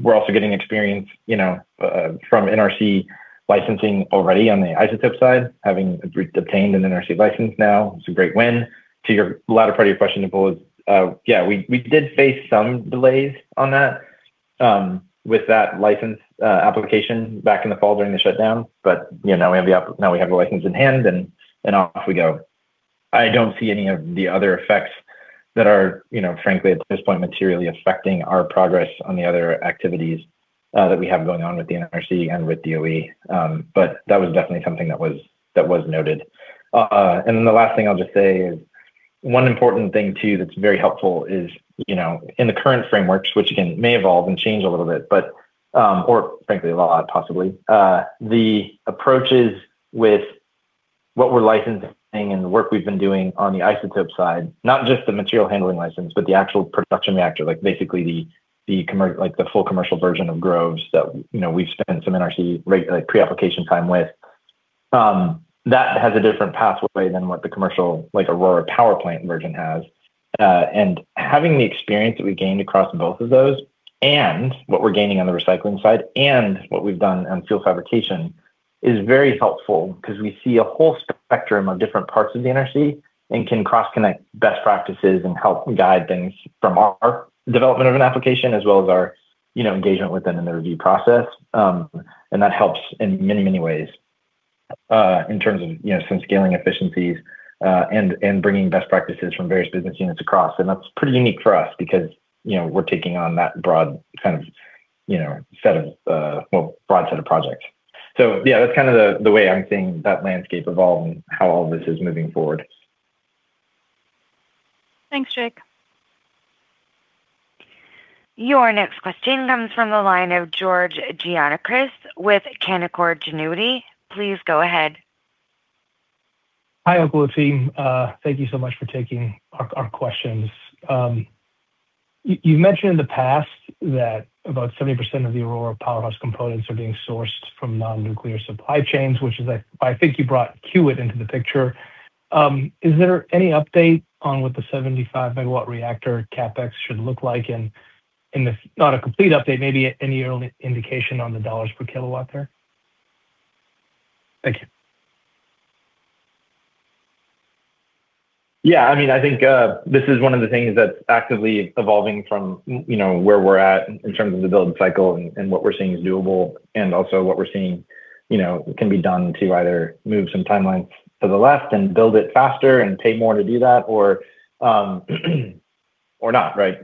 we're also getting experience, you know, from NRC licensing already on the isotope side, having obtained an NRC license now. It's a great win. To your latter part of your question, Nicole, yeah, we did face some delays on that with that license application back in the fall during the shutdown. You know, now we have the license in hand and off we go. I don't see any of the other effects that are, you know, frankly, at this point, materially affecting our progress on the other activities, that we have going on with the NRC and with DOE. That was definitely something that was noted. The last thing I'll just say is one important thing too that's very helpful is, you know, in the current frameworks, which again, may evolve and change a little bit, but, or frankly, a lot possibly, the approaches with what we're licensing and the work we've been doing on the isotope side, not just the material handling license, but the actual production reactor, like basically the full commercial version of Groves that, you know, we've spent some NRC pre-application time with, that has a different pathway than what the commercial, like, Aurora power plant version has. Having the experience that we gained across both of those and what we're gaining on the recycling side and what we've done on fuel fabrication is very helpful 'cause we see a whole spectrum of different parts of the NRC and can cross-connect best practices and help guide things from our development of an application as well as our, you know, engagement with them in the review process. That helps in many, many ways, in terms of, you know, some scaling efficiencies, and bringing best practices from various business units across. That's pretty unique for us because, you know, we're taking on that broad kind of, you know, set of, well, broad set of projects. Yeah, that's kind of the way I'm seeing that landscape evolve and how all this is moving forward. Thanks, Jake. Your next question comes from the line of George Gianarikas with Canaccord Genuity. Please go ahead. Hi, Oklo team. Thank you so much for taking our questions. You've mentioned in the past that about 70% of the Aurora powerhouse components are being sourced from non-nuclear supply chains, which is, I think, you brought Kiewit into the picture. Is there any update on what the 75-megawatt reactor CapEx should look like not a complete update, maybe any early indication on the dollars per kilowatt there? Thank you. Yeah. I mean, I think this is one of the things that's actively evolving from, you know, where we're at in terms of the building cycle and what we're seeing is doable and also what we're seeing, you know, can be done to either move some timelines to the left and build it faster and pay more to do that or not, right?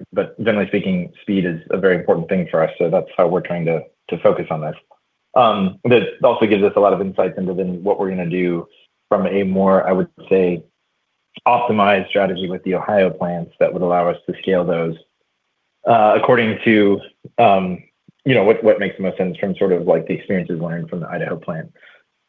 Generally speaking, speed is a very important thing for us, so that's how we're trying to focus on this. It also gives us a lot of insights into then what we're gonna do from a more, I would say, optimized strategy with the Ohio plants that would allow us to scale those, according to, you know, what makes the most sense from sort of like the experiences learned from the Idaho plant.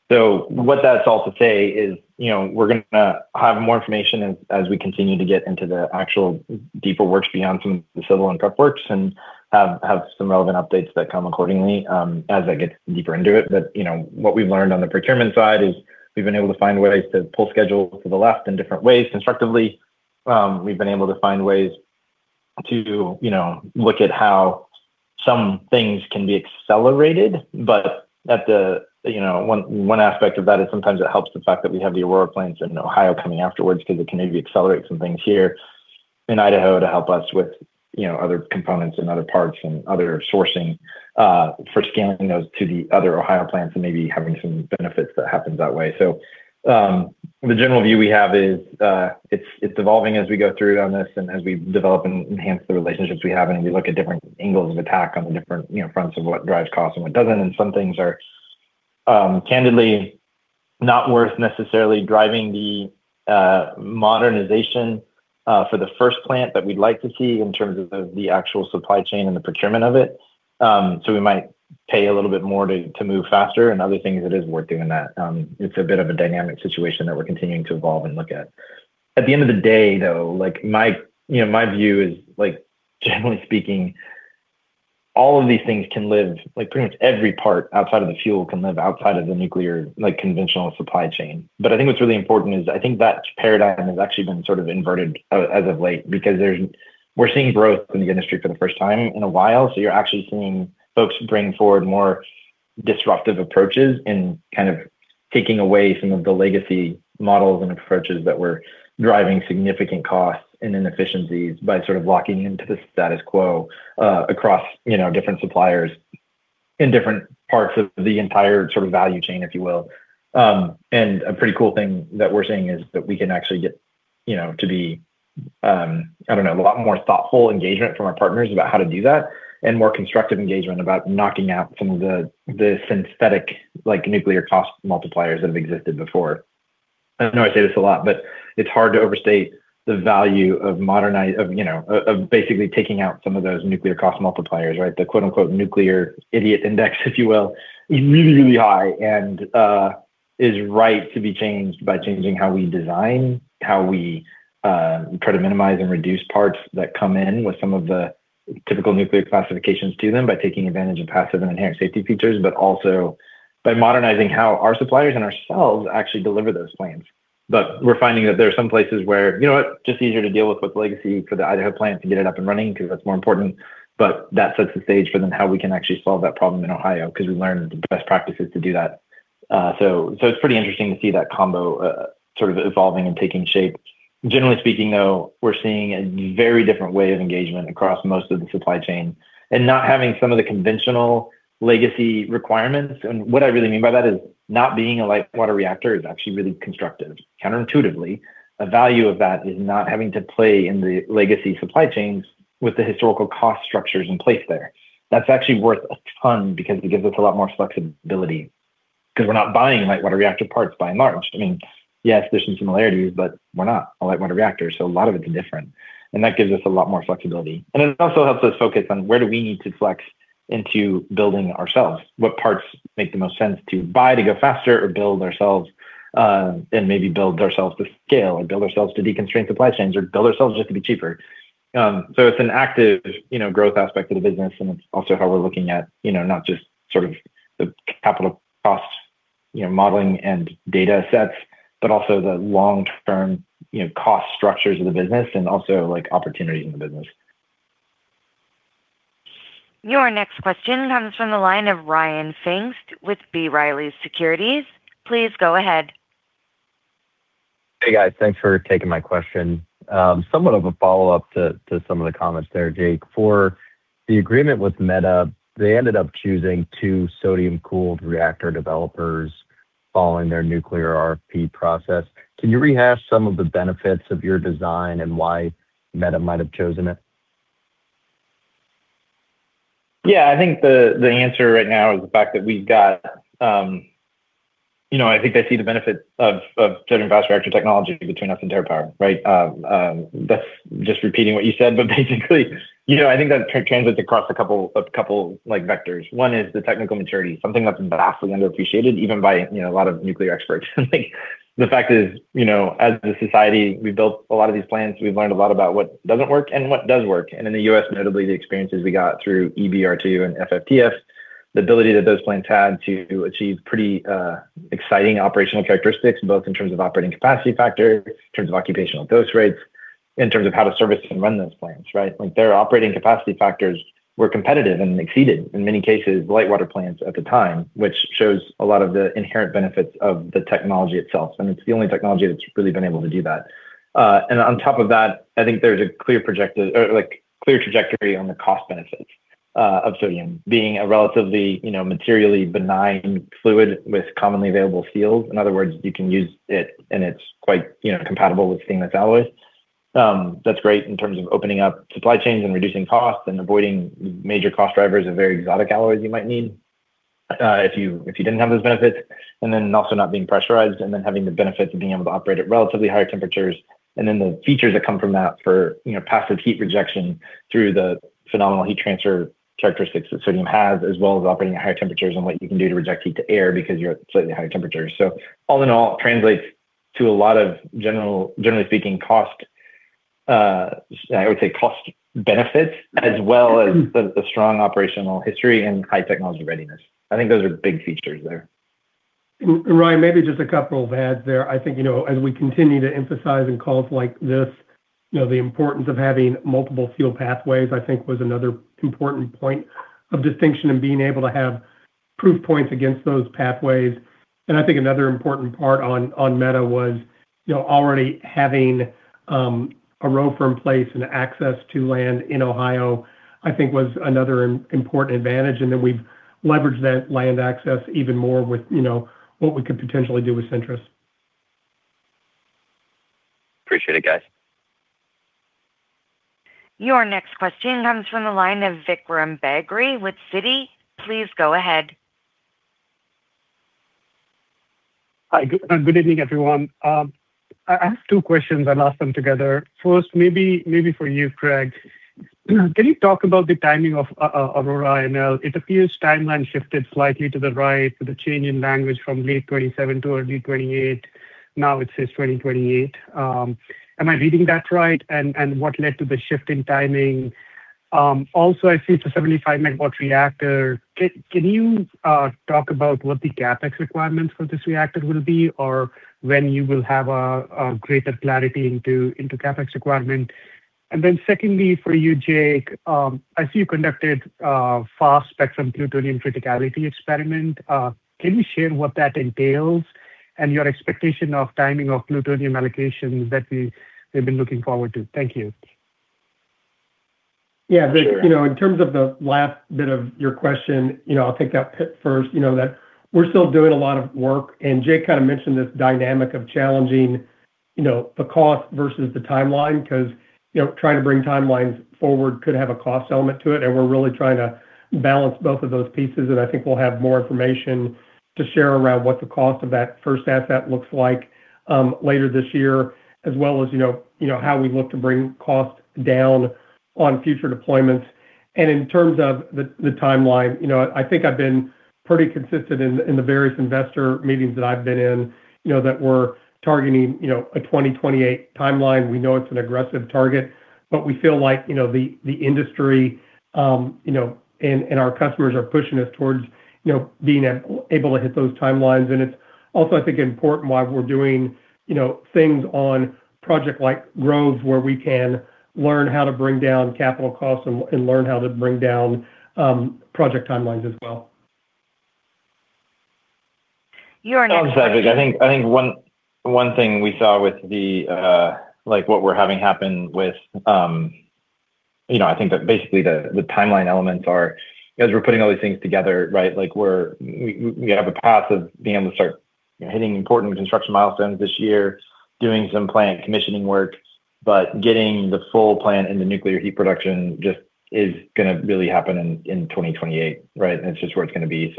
What that's all to say is, you know, we're gonna have more information as we continue to get into the actual deeper works beyond some of the civil and prep works and have some relevant updates that come accordingly, as I get deeper into it. You know, what we've learned on the procurement side is we've been able to find ways to pull schedules to the left in different ways constructively. We've been able to find ways to, you know, look at how some things can be accelerated. At the, you know, one aspect of that is sometimes it helps the fact that we have the Aurora plants in Ohio coming afterwards 'cause it can maybe accelerate some things here in Idaho to help us with, you know, other components and other parts and other sourcing for scaling those to the other Ohio plants and maybe having some benefits that happens that way. The general view we have is, it's evolving as we go through on this and as we develop and enhance the relationships we have, and we look at different angles of attack on the different, you know, fronts of what drives cost and what doesn't. Some things are candidly not worth necessarily driving the modernization for the first plant that we'd like to see in terms of the actual supply chain and the procurement of it. So we might pay a little bit more to move faster and other things it is worth doing that. It's a bit of a dynamic situation that we're continuing to evolve and look at. At the end of the day, though, like, my, you know, my view is, like, generally speaking, all of these things can live, like, pretty much every part outside of the fuel can live outside of the nuclear, like, conventional supply chain. But I think what's really important is I think that paradigm has actually been sort of inverted as of late because we're seeing growth in the industry for the first time in a while. You're actually seeing folks bring forward more disruptive approaches and kind of taking away some of the legacy models and approaches that were driving significant costs and inefficiencies by sort of locking into the status quo, across, you know, different suppliers in different parts of the entire sort of value chain, if you will. A pretty cool thing that we're seeing is that we can actually get, you know, to be, I don't know, a lot more thoughtful engagement from our partners about how to do that and more constructive engagement about knocking out some of the synthetic, like, nuclear cost multipliers that have existed before. I know I say this a lot, but it's hard to overstate the value of, you know, of basically taking out some of those nuclear cost multipliers, right? The quote-unquote “nuclear idiot index,” if you will, is really, really high and is right to be changed by changing how we design, how we try to minimize and reduce parts that come in with some of the typical nuclear classifications to them by taking advantage of passive and inherent safety features, but also by modernizing how our suppliers and ourselves actually deliver those plans. We're finding that there are some places where, you know what, just easier to deal with with legacy for the Idaho plant to get it up and running because that's more important. That sets the stage for then how we can actually solve that problem in Ohio because we learned the best practices to do that. It's pretty interesting to see that combo sort of evolving and taking shape. Generally speaking, though, we're seeing a very different way of engagement across most of the supply chain and not having some of the conventional legacy requirements. What I really mean by that is not being a light water reactor is actually really constructive. Counterintuitively, the value of that is not having to play in the legacy supply chains with the historical cost structures in place there. That's actually worth a ton because it gives us a lot more flexibility because we're not buying light water reactor parts by and large. I mean, yes, there's some similarities, but we're not a light water reactor, so a lot of it's different, and that gives us a lot more flexibility. It also helps us focus on where do we need to flex into building ourselves? What parts make the most sense to buy to go faster or build ourselves, and maybe build ourselves to scale or build ourselves to deconstrain supply chains or build ourselves just to be cheaper? It's an active, you know, growth aspect of the business, and it's also how we're looking at, you know, not just sort of the capital cost, you know, modeling and data sets, but also the long-term, you know, cost structures of the business and also, like, opportunities in the business. Your next question comes from the line of Ryan Pfingst with B. Riley Securities. Please go ahead. Hey, guys. Thanks for taking my question. Somewhat of a follow-up to some of the comments there, Jake. For the agreement with Meta, they ended up choosing two sodium-cooled reactor developers following their nuclear RFP process. Can you rehash some of the benefits of your design and why Meta might have chosen it? Yeah. I think the answer right now is the fact that we've got. You know, I think they see the benefit of certain fast reactor technology to turn off entire power, right? That's just repeating what you said. Basically you know, I think that translates across a couple of, like, vectors. One is the technical maturity, something that's vastly underappreciated even by, you know, a lot of nuclear experts. Like, the fact is, you know, as a society, we've built a lot of these plants. We've learned a lot about what doesn't work and what does work. In the US, notably the experiences we got through EBR-II and FFTF, the ability that those plants had to achieve pretty exciting operational characteristics, both in terms of operating capacity factor, in terms of occupational dose rates, in terms of how to service and run those plants, right? Like, their operating capacity factors were competitive and exceeded, in many cases, light water plants at the time, which shows a lot of the inherent benefits of the technology itself, and it's the only technology that's really been able to do that. On top of that, I think there's a clear trajectory on the cost benefits of sodium being a relatively, you know, materially benign fluid with commonly available seals. In other words, you can use it and it's quite, you know, compatible with stainless alloys. That's great in terms of opening up supply chains and reducing costs and avoiding major cost drivers of very exotic alloys you might need, if you didn't have those benefits. Then also not being pressurized and then having the benefits of being able to operate at relatively higher temperatures. The features that come from that for, you know, passive heat rejection through the phenomenal heat transfer characteristics that sodium has, as well as operating at higher temperatures and what you can do to reject heat to air because you're at slightly higher temperatures. All in all, it translates to a lot of generally speaking, cost, I would say cost benefits as well as the strong operational history and high technology readiness. I think those are big features there. Ryan, maybe just a couple of adds there. I think, you know, as we continue to emphasize in calls like this, you know, the importance of having multiple fuel pathways, I think was another important point of distinction and being able to have proof points against those pathways. I think another important part on Meta was, you know, already having a firm place and access to land in Ohio, I think was another important advantage. Then we've leveraged that land access even more with, you know, what we could potentially do with Centrus. Appreciate it, guys. Your next question comes from the line of Vikram Bagri with Citi. Please go ahead. Hi, good evening, everyone. I have two questions, and I'll ask them together. First, maybe for you, Craig. Can you talk about the timing of Aurora INL? It appears timeline shifted slightly to the right with a change in language from late 2027 to early 2028. Now it says 2028. Am I reading that right? What led to the shift in timing? Also I see it's a 75 MW reactor. Can you talk about what the CapEx requirements for this reactor will be or when you will have a greater clarity into CapEx requirement? Secondly, for you, Jake, I see you conducted a fast spectrum plutonium criticality experiment. Can you share what that entails and your expectation of timing of plutonium allocations that we've been looking forward to? Thank you. Yeah. You know, in terms of the last bit of your question, you know, I'll take that first. You know that we're still doing a lot of work, and Jake kind of mentioned this dynamic of challenging, you know, the cost versus the timeline 'cause, you know, trying to bring timelines forward could have a cost element to it. We're really trying to balance both of those pieces, and I think we'll have more information to share around what the cost of that first asset looks like, later this year, as well as, you know, you know, how we look to bring cost down on future deployments. In terms of the timeline, you know, I think I've been pretty consistent in the various investor meetings that I've been in, you know, that we're targeting, you know, a 2028 timeline. We know it's an aggressive target, but we feel like, you know, the industry, you know, and our customers are pushing us towards, you know, being able to hit those timelines. It's also, I think, important why we're doing, you know, things on project-like growth where we can learn how to bring down capital costs and learn how to bring down project timelines as well. Your next question. I'll just add, Vikram, I think one thing we saw with the like, what we're having happen with, you know, I think that basically the timeline elements are as we're putting all these things together, right, like we have a path of being able to start hitting important construction milestones this year, doing some plant commissioning work, but getting the full plant into nuclear heat production just is gonna really happen in 2028, right? That's just where it's gonna be.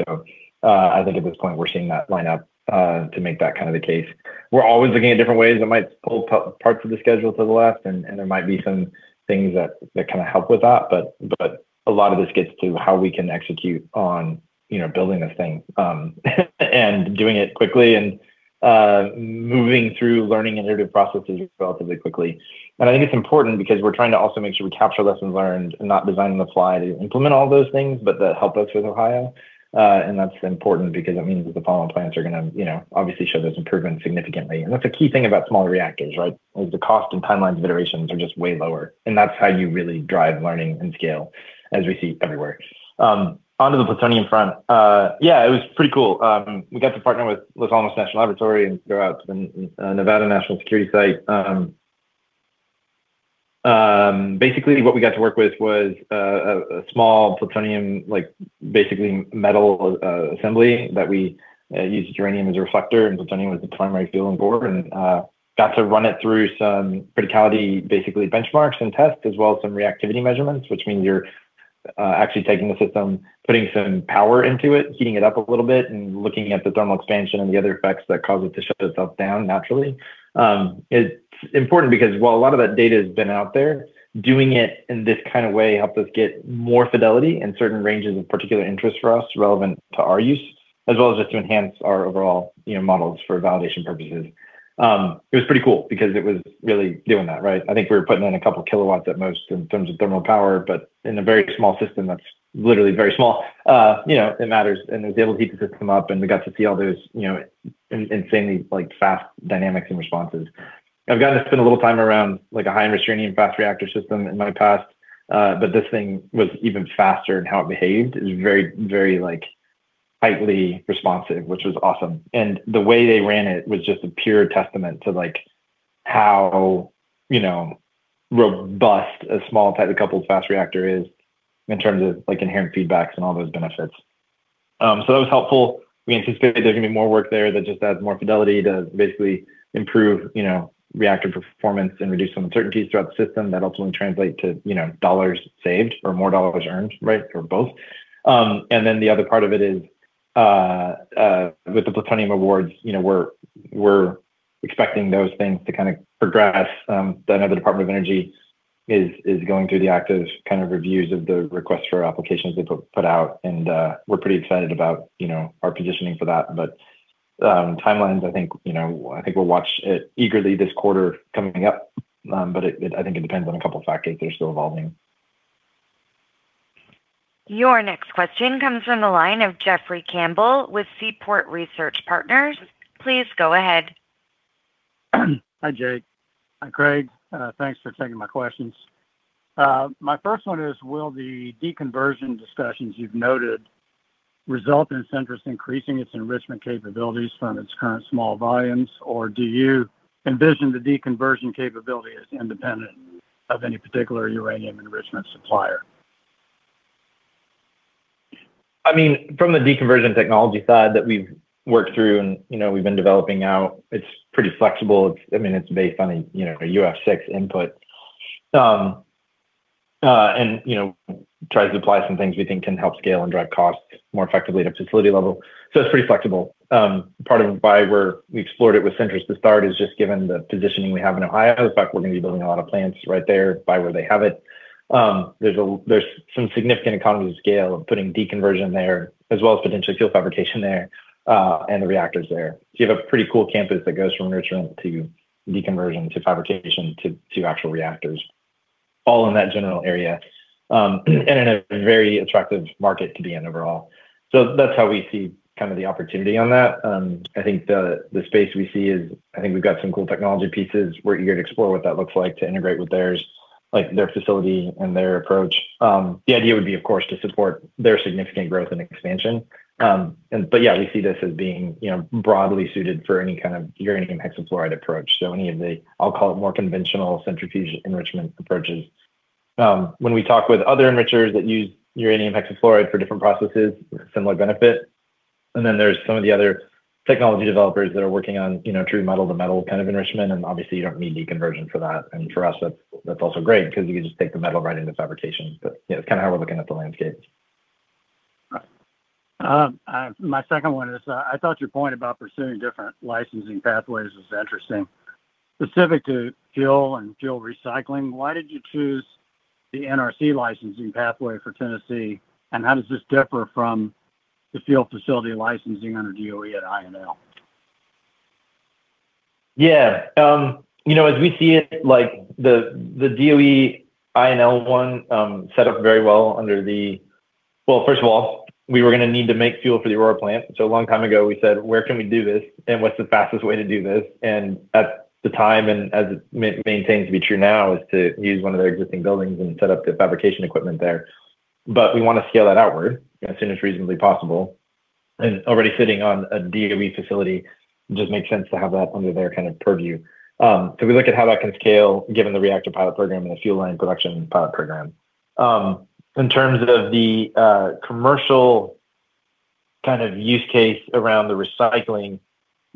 I think at this point we're seeing that line up to make that kind of the case. We're always looking at different ways that might pull parts of the schedule to the left and there might be some things that kinda help with that. A lot of this gets to how we can execute on, you know, building this thing, and doing it quickly and, moving through learning iterative processes relatively quickly. I think it's important because we're trying to also make sure we capture lessons learned and not design on the fly to implement all those things, but that help us with Ohio. That's important because it means that the following plants are gonna, you know, obviously show those improvements significantly. That's a key thing about smaller reactors, right? Is the cost and timelines of iterations are just way lower, and that's how you really drive learning and scale, as we see everywhere. Onto the plutonium front. Yeah, it was pretty cool. We got to partner with Los Alamos National Laboratory and go out to the Nevada National Security Site. Basically what we got to work with was a small plutonium, like basically metal assembly that we used uranium as a reflector, and plutonium was the primary fuel on board. Got to run it through some criticality benchmarks and tests, as well as some reactivity measurements, which mean you're actually taking the system, putting some power into it, heating it up a little bit, and looking at the thermal expansion and the other effects that cause it to shut itself down naturally. It's important because while a lot of that data has been out there, doing it in this kind of way helped us get more fidelity in certain ranges of particular interest for us relevant to our use, as well as just to enhance our overall, you know, models for validation purposes. It was pretty cool because it was really doing that, right? I think we were putting in a couple kilowatts at most in terms of thermal power, but in a very small system that's literally very small. You know, it matters, and it was able to heat the system up, and we got to see all those, you know, insanely, like, fast dynamics and responses. I've gotten to spend a little time around, like, a high-energy uranium fast reactor system in my past. But this thing was even faster in how it behaved. It was very, like, tightly responsive, which was awesome. The way they ran it was just a pure testament to, like, how, you know, robust a small tightly coupled fast reactor is in terms of, like, inherent feedbacks and all those benefits. That was helpful. We anticipate there's gonna be more work there that just adds more fidelity to basically improve, you know, reactor performance and reduce some uncertainties throughout the system that ultimately translate to, you know, dollars saved or more dollars earned, right? Or both. Then the other part of it is, with the plutonium awards, you know, we're expecting those things to kind of progress. The Department of Energy is going through the active kind of reviews of the request for applications they put out, and we're pretty excited about, you know, our positioning for that. Timelines, I think, you know, we'll watch it eagerly this quarter coming up. I think it depends on a couple of factors that are still evolving. Your next question comes from the line of Jeffrey Campbell with Seaport Research Partners. Please go ahead. Hi, Jake. Hi, Craig. Thanks for taking my questions. My first one is, will the deconversion discussions you've noted result in Centrus increasing its enrichment capabilities from its current small volumes? Or do you envision the deconversion capability as independent of any particular uranium enrichment supplier? I mean, from the deconversion technology side that we've worked through and, you know, we've been developing out, it's pretty flexible. I mean, it's based on a, you know, a UF6 input, and, you know, tries to apply some things we think can help scale and drive costs more effectively at a facility level. It's pretty flexible. Part of why we explored it with Centrus to start is just given the positioning we have in Ohio. In fact, we're gonna be building a lot of plants right there by where they have it. There's some significant economies of scale of putting deconversion there as well as potential fuel fabrication there, and the reactors there. You have a pretty cool campus that goes from enrichment to deconversion to fabrication to actual reactors all in that general area, and in a very attractive market to be in overall. That's how we see kind of the opportunity on that. I think the space we see is I think we've got some cool technology pieces. We're eager to explore what that looks like to integrate with theirs, like, their facility and their approach. The idea would be, of course, to support their significant growth and expansion. Yeah, we see this as being, you know, broadly suited for any kind of uranium hexafluoride approach. Any of the, I'll call it more conventional centrifuge enrichment approaches. When we talk with other enrichers that use uranium hexafluoride for different processes, similar benefit. Then there's some of the other technology developers that are working on, you know, true metal-to-metal kind of enrichment, and obviously you don't need deconversion for that. For us, that's also great 'cause we can just take the metal right into fabrication. Yeah, it's kind of how we're looking at the landscape. Right. My second one is, I thought your point about pursuing different licensing pathways was interesting. Specific to fuel and fuel recycling, why did you choose the NRC licensing pathway for Tennessee, and how does this differ from the fuel facility licensing under DOE at INL? Yeah. You know, as we see it, like the DOE INL one set up very well under the well. First of all, we were gonna need to make fuel for the Aurora plant. A long time ago we said, "Where can we do this, and what's the fastest way to do this?" At the time, and as it may tends to be true now, is to use one of their existing buildings and set up the fabrication equipment there. We wanna scale that outward as soon as reasonably possible, and already sitting on a DOE facility just makes sense to have that under their kind of purview. We look at how that can scale given the reactor pilot program and the Fuel Line Pilot Program. In terms of the commercial kind of use case around the recycling,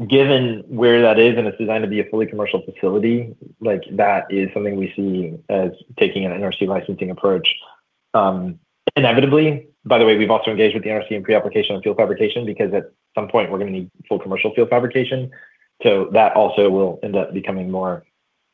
given where that is, and it's designed to be a fully commercial facility, like that is something we see as taking an NRC licensing approach, inevitably. By the way, we've also engaged with the NRC in pre-application on fuel fabrication because at some point we're gonna need full commercial fuel fabrication, so that also will end up become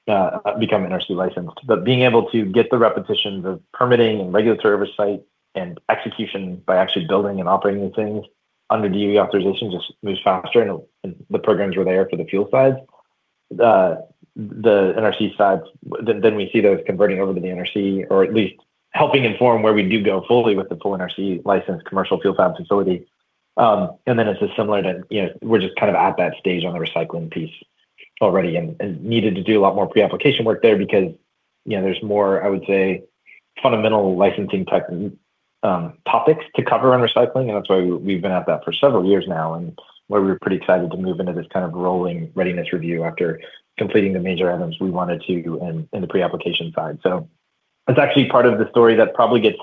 NRC licensed. Being able to get the repetition of permitting and regulatory oversight and execution by actually building and operating these things under DOE authorization just moves faster and the programs were there for the fuel side. The NRC side, then we see those converting over to the NRC or at least helping inform where we do go fully with the full NRC licensed commercial fuel fab facility. It's just similar to, you know, we're just kind of at that stage on the recycling piece already and needed to do a lot more pre-application work there because, you know, there's more, I would say, fundamental licensing type topics to cover on recycling, and that's why we've been at that for several years now and why we were pretty excited to move into this kind of rolling readiness review after completing the major items we wanted to in the pre-application side. That's actually part of the story that probably gets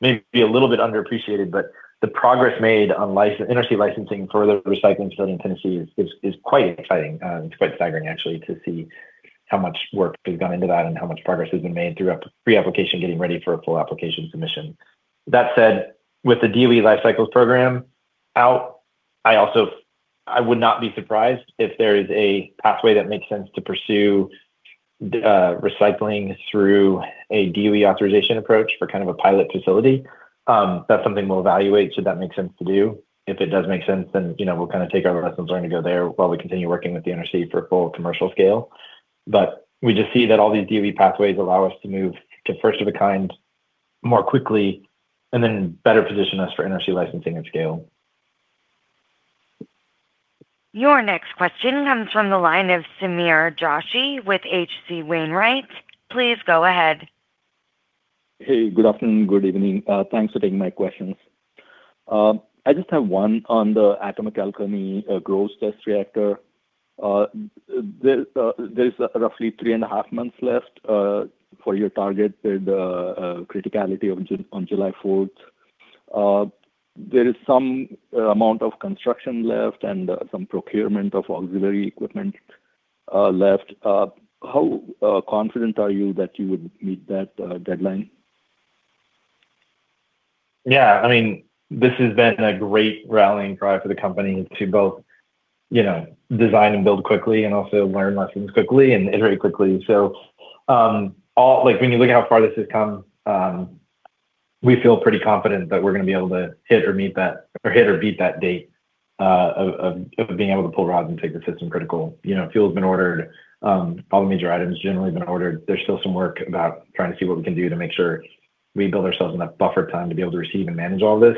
maybe a little bit underappreciated, but the progress made on NRC licensing for the recycling facility in Tennessee is quite exciting. It's quite staggering actually to see how much work has gone into that and how much progress has been made through a pre-application getting ready for a full application submission. That said, with the DOE lifecycle program out, I would not be surprised if there is a pathway that makes sense to pursue recycling through a DOE authorization approach for kind of a pilot facility. That's something we'll evaluate should that make sense to do. If it does make sense, then, you know, we'll kind of take our lessons learned to go there while we continue working with the NRC for full commercial scale. We just see that all these DOE pathways allow us to move to first of a kind more quickly and then better position us for NRC licensing at scale. Your next question comes from the line of Sameer Joshi with H.C. Wainwright. Please go ahead. Hey, good afternoon, good evening. Thanks for taking my questions. I just have one on the Atomic Alchemy, Groves test reactor. There's roughly three and a half months left, for your target, the criticality on July 4th. There is some amount of construction left and, some procurement of auxiliary equipment, left. How confident are you that you would meet that, deadline? Yeah, I mean, this has been a great rallying cry for the company to both, you know, design and build quickly and also learn lessons quickly and iterate quickly. Like, when you look at how far this has come, we feel pretty confident that we're gonna be able to hit or meet that or hit or beat that date, of being able to pull rods and take the system critical. You know, fuel's been ordered. All the major items generally have been ordered. There's still some work about trying to see what we can do to make sure we build ourselves enough buffer time to be able to receive and manage all this.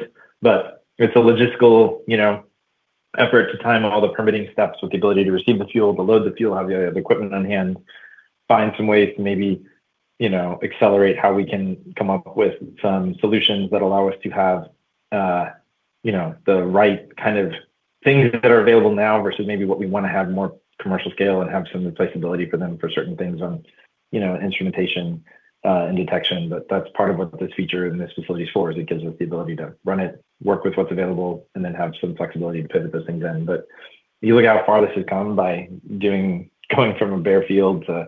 It's a logistical, you know, effort to time all the permitting steps with the ability to receive the fuel, to load the fuel, have the equipment on hand, find some ways to maybe, you know, accelerate how we can come up with some solutions that allow us to have, you know, the right kind of things that are available now versus maybe what we wanna have more commercial scale and have some replaceability for them for certain things on, you know, instrumentation, and detection. That's part of what this feature and this facility is for, it gives us the ability to run it, work with what's available, and then have some flexibility to pivot those things in. You look how far this has come by going from a bare field to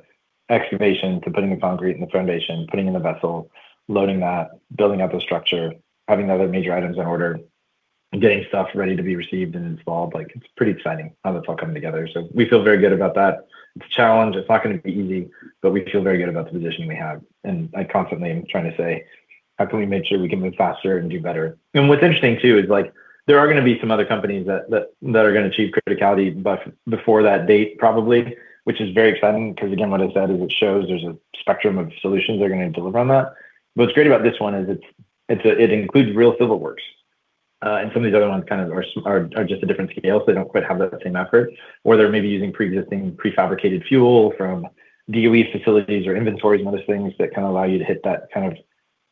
excavation, to putting the concrete and the foundation, putting in the vessel, loading that, building out the structure, having the other major items in order, and getting stuff ready to be received and installed. Like, it's pretty exciting how that's all coming together. We feel very good about that. It's a challenge. It's not gonna be easy, but we feel very good about the position we have. I constantly am trying to say, "How can we make sure we can move faster and do better?" What's interesting too is, like, there are gonna be some other companies that are gonna achieve criticality before that date, probably, which is very exciting 'cause again, what I said is it shows there's a spectrum of solutions they're gonna deliver on that. What's great about this one is it includes real civil works. Some of these other ones kind of are just a different scale, so they don't quite have the same effort. They're maybe using pre-existing prefabricated fuel from DOE facilities or inventories and other things that kinda allow you to hit that kind of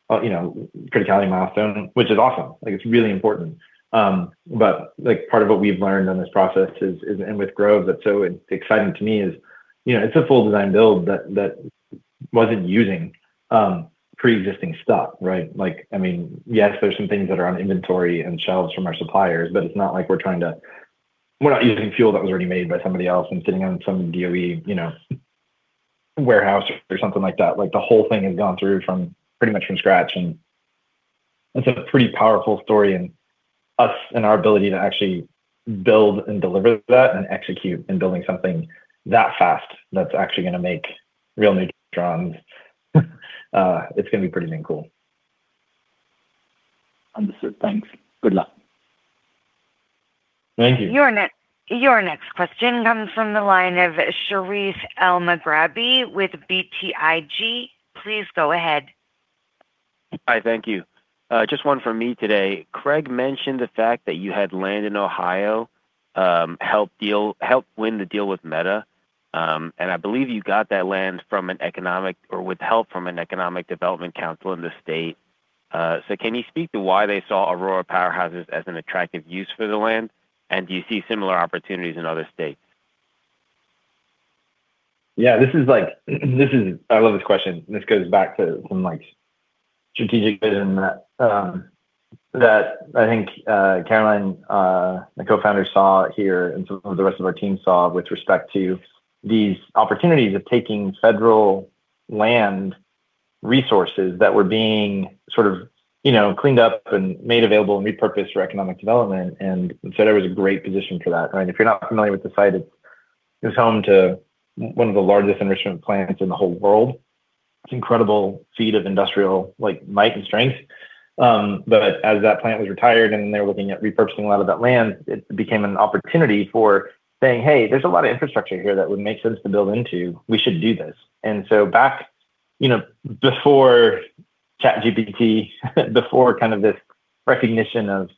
criticality milestone, which is awesome. Like, it's really important. Like, part of what we've learned on this process is and with Groves that's so exciting to me is, you know, it's a full design build that wasn't using preexisting stuff, right? Like, I mean, yes, there's some things that are on inventory and shelves from our suppliers, but it's not like we're not using fuel that was already made by somebody else and sitting on some DOE, you know, warehouse or something like that. Like, the whole thing has gone through from pretty much from scratch. That's a pretty powerful story, and us and our ability to actually build and deliver that and execute in building something that fast that's actually gonna make real neutrons, it's gonna be pretty damn cool. Understood. Thanks. Good luck. Thank you. Your next question comes from the line of Sherif Elmaghrabi with BTIG. Please go ahead. Hi, thank you. Just one from me today. Craig mentioned the fact that you had land in Ohio, help win the deal with Meta. I believe you got that land from an economic development organization with help from an economic development council in the state. Can you speak to why they saw Aurora powerhouses as an attractive use for the land? Do you see similar opportunities in other states? I love this question, and this goes back to some, like, strategic vision that I think Caroline, the co-founder, saw here and some of the rest of our team saw with respect to these opportunities of taking federal land resources that were being sort of, you know, cleaned up and made available and repurposed for economic development. There was a great position for that, right? If you're not familiar with the site, it is home to one of the largest enrichment plants in the whole world. It's an incredible feat of industrial might and strength. As that plant was retired and they were looking at repurposing a lot of that land, it became an opportunity for saying, "Hey, there's a lot of infrastructure here that would make sense to build into. We should do this." Back, you know, before ChatGPT, before kind of this recognition of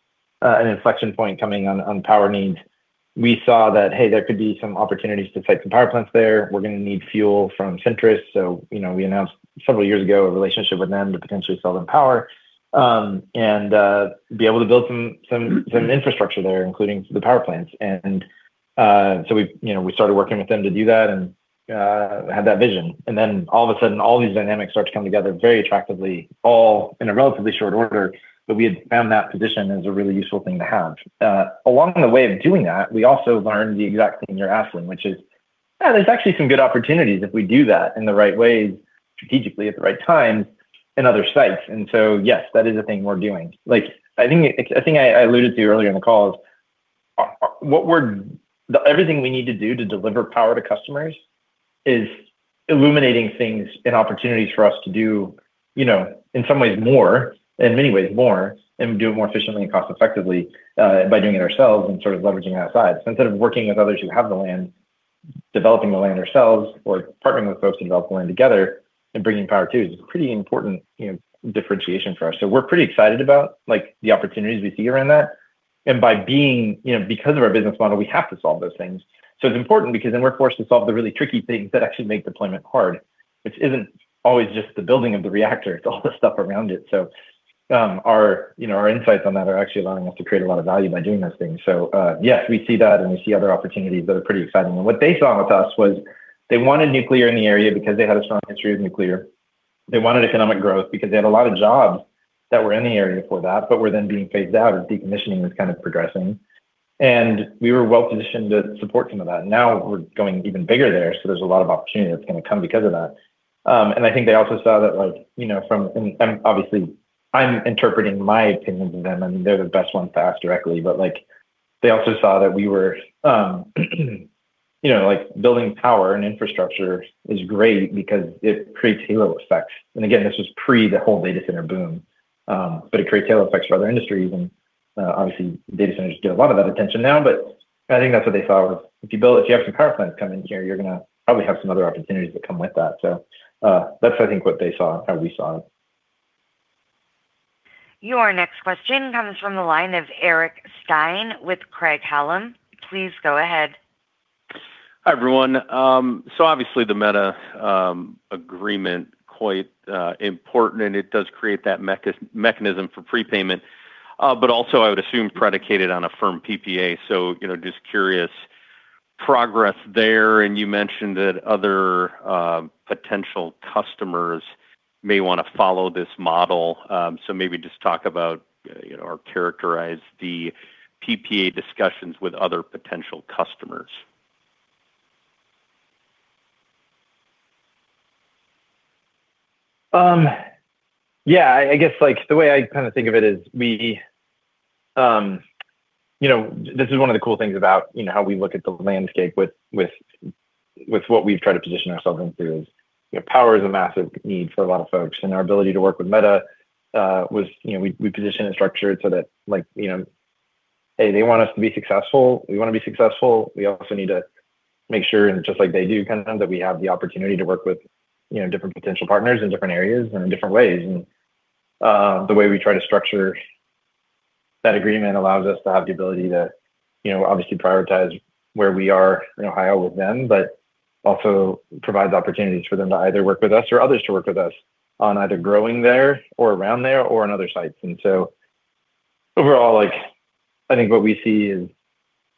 an inflection point coming on power needs, we saw that, hey, there could be some opportunities to site some power plants there. We're gonna need fuel from Centrus. You know, we announced several years ago a relationship with them to potentially sell them power and be able to build some infrastructure there, including the power plants. We, you know, started working with them to do that and had that vision. All of a sudden, all these dynamics start to come together very attractively, all in a relatively short order. We had found that position as a really useful thing to have. Along the way of doing that, we also learned the exact thing you're asking, which is, yeah, there's actually some good opportunities if we do that in the right ways, strategically at the right time in other sites. Yes, that is a thing we're doing. Like, I think I alluded to you earlier in the call, everything we need to do to deliver power to customers is illuminating things and opportunities for us to do, you know, in some ways more, in many ways more, and do it more efficiently and cost effectively by doing it ourselves and sort of leveraging our sites. Instead of working with others who have the land, developing the land ourselves or partnering with folks to develop the land together and bringing power too is a pretty important, you know, differentiation for us. We're pretty excited about, like, the opportunities we see around that. By being, you know, because of our business model, we have to solve those things. It's important because then we're forced to solve the really tricky things that actually make deployment hard, which isn't always just the building of the reactor, it's all the stuff around it. Our, you know, insights on that are actually allowing us to create a lot of value by doing those things. Yes, we see that, and we see other opportunities that are pretty exciting. What they saw with us was they wanted nuclear in the area because they had a strong history of nuclear. They wanted economic growth because they had a lot of jobs that were in the area for that, but were then being phased out or decommissioning was kind of progressing. We were well-positioned to support some of that. Now we're going even bigger there, so there's a lot of opportunity that's gonna come because of that. I think they also saw that like, you know, obviously I'm interpreting my opinions of them. I mean, they're the best ones to ask directly, but, like, they also saw that we were, you know, like, building power and infrastructure is great because it creates halo effects. Again, this was pre the whole data center boom. It creates halo effects for other industries and, obviously, data centers get a lot of that attention now, but I think that's what they saw. If you have some power plants come in here, you're gonna probably have some other opportunities that come with that. That's, I think, what they saw, how we saw it. Your next question comes from the line of Eric Stine with Craig-Hallum. Please go ahead. Hi, everyone. Obviously the Meta agreement quite important, and it does create that mechanism for pre-payment, but also I would assume predicated on a firm PPA. You know, just curious progress there. You mentioned that other potential customers may wanna follow this model. Maybe just talk about or characterize the PPA discussions with other potential customers. Yeah. I guess like the way I kinda think of it is we you know this is one of the cool things about you know how we look at the landscape with what we've tried to position ourselves into is you know power is a massive need for a lot of folks. Our ability to work with Meta was you know we positioned and structured so that like you know A they want us to be successful. We wanna be successful. We also need to make sure and just like they do kind of that we have the opportunity to work with you know different potential partners in different areas and in different ways. The way we try to structure that agreement allows us to have the ability to, you know, obviously prioritize where we are in Ohio with them, but also provides opportunities for them to either work with us or others to work with us on either growing there or around there or on other sites. Overall, like I think what we see is,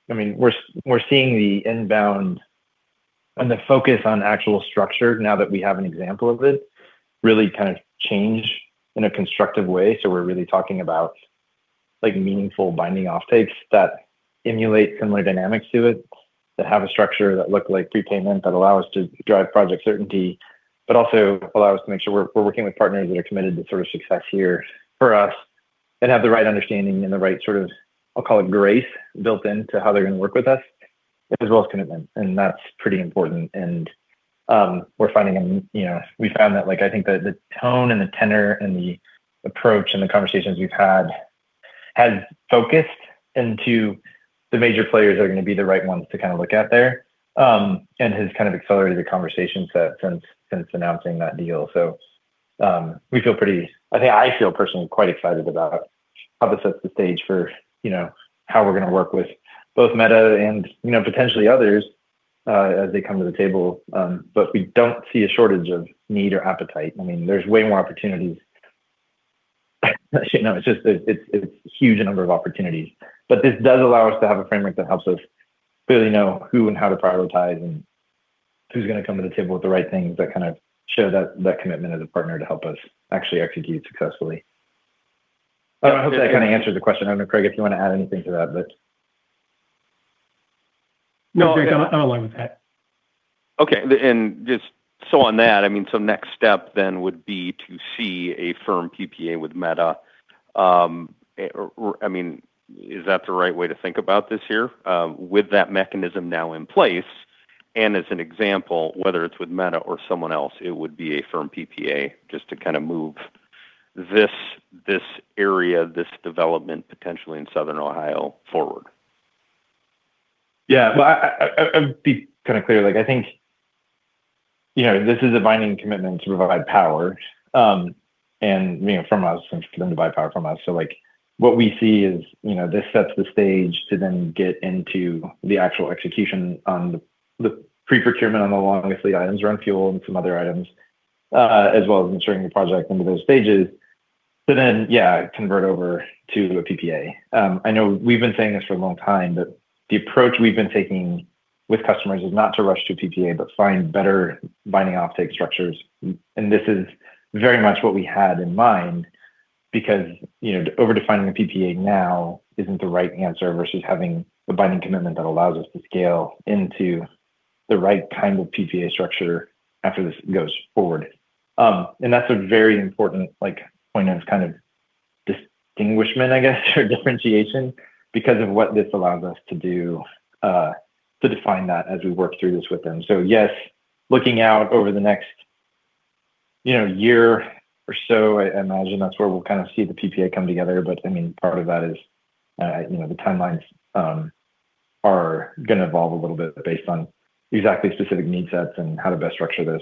I mean, we're seeing the inbound and the focus on actual structure now that we have an example of it really kind of change in a constructive way. We're really talking about like meaningful binding offtakes that emulate similar dynamics to it, that have a structure that look like prepayment, that allow us to drive project certainty, but also allow us to make sure we're working with partners that are committed to sort of success here for us and have the right understanding and the right sort of, I'll call it grace built in to how they're gonna work with us as well as commitment. That's pretty important. You know, we found that like I think the tone and the tenor and the approach and the conversations we've had has focused into the major players that are gonna be the right ones to kind of look at there, and has kind of accelerated the conversation set since announcing that deal. I think I feel personally quite excited about how this sets the stage for, you know, how we're gonna work with both Meta and, you know, potentially others, as they come to the table. We don't see a shortage of need or appetite. I mean, there's way more opportunities. You know, it's just it's huge number of opportunities. But this does allow us to have a framework that helps us really know who and how to prioritize and who's gonna come to the table with the right things that kind of show that commitment as a partner to help us actually execute successfully. I hope that kind of answers the question. I don't know, Craig, if you want to add anything to that, but. No, Jake, I'm along with that. Just so on that, I mean, next step would be to see a firm PPA with Meta. Or I mean, is that the right way to think about this here? With that mechanism now in place and as an example, whether it's with Meta or someone else, it would be a firm PPA just to kind of move this area, this development potentially in southern Ohio forward. Yeah. Well, I'll be kind of clear. Like I think, you know, this is a binding commitment to provide power, and you know, from us, for them to buy power from us. Like what we see is, you know, this sets the stage to then get into the actual execution on the pre-procurement on the long lead items around fuel and some other items, as well as ensuring the project into those stages. Yeah, convert over to a PPA. I know we've been saying this for a long time, but the approach we've been taking with customers is not to rush to PPA, but find better binding offtake structures. This is very much what we had in mind because, you know, over-defining the PPA now isn't the right answer versus having the binding commitment that allows us to scale into the right kind of PPA structure after this goes forward. That's a very important like point of kind of distinguishment, I guess, or differentiation because of what this allows us to do to define that as we work through this with them. Yes, looking out over the next, you know, year or so, I imagine that's where we'll kind of see the PPA come together. I mean, part of that is, you know, the timelines are gonna evolve a little bit based on exactly specific need sets and how to best structure this.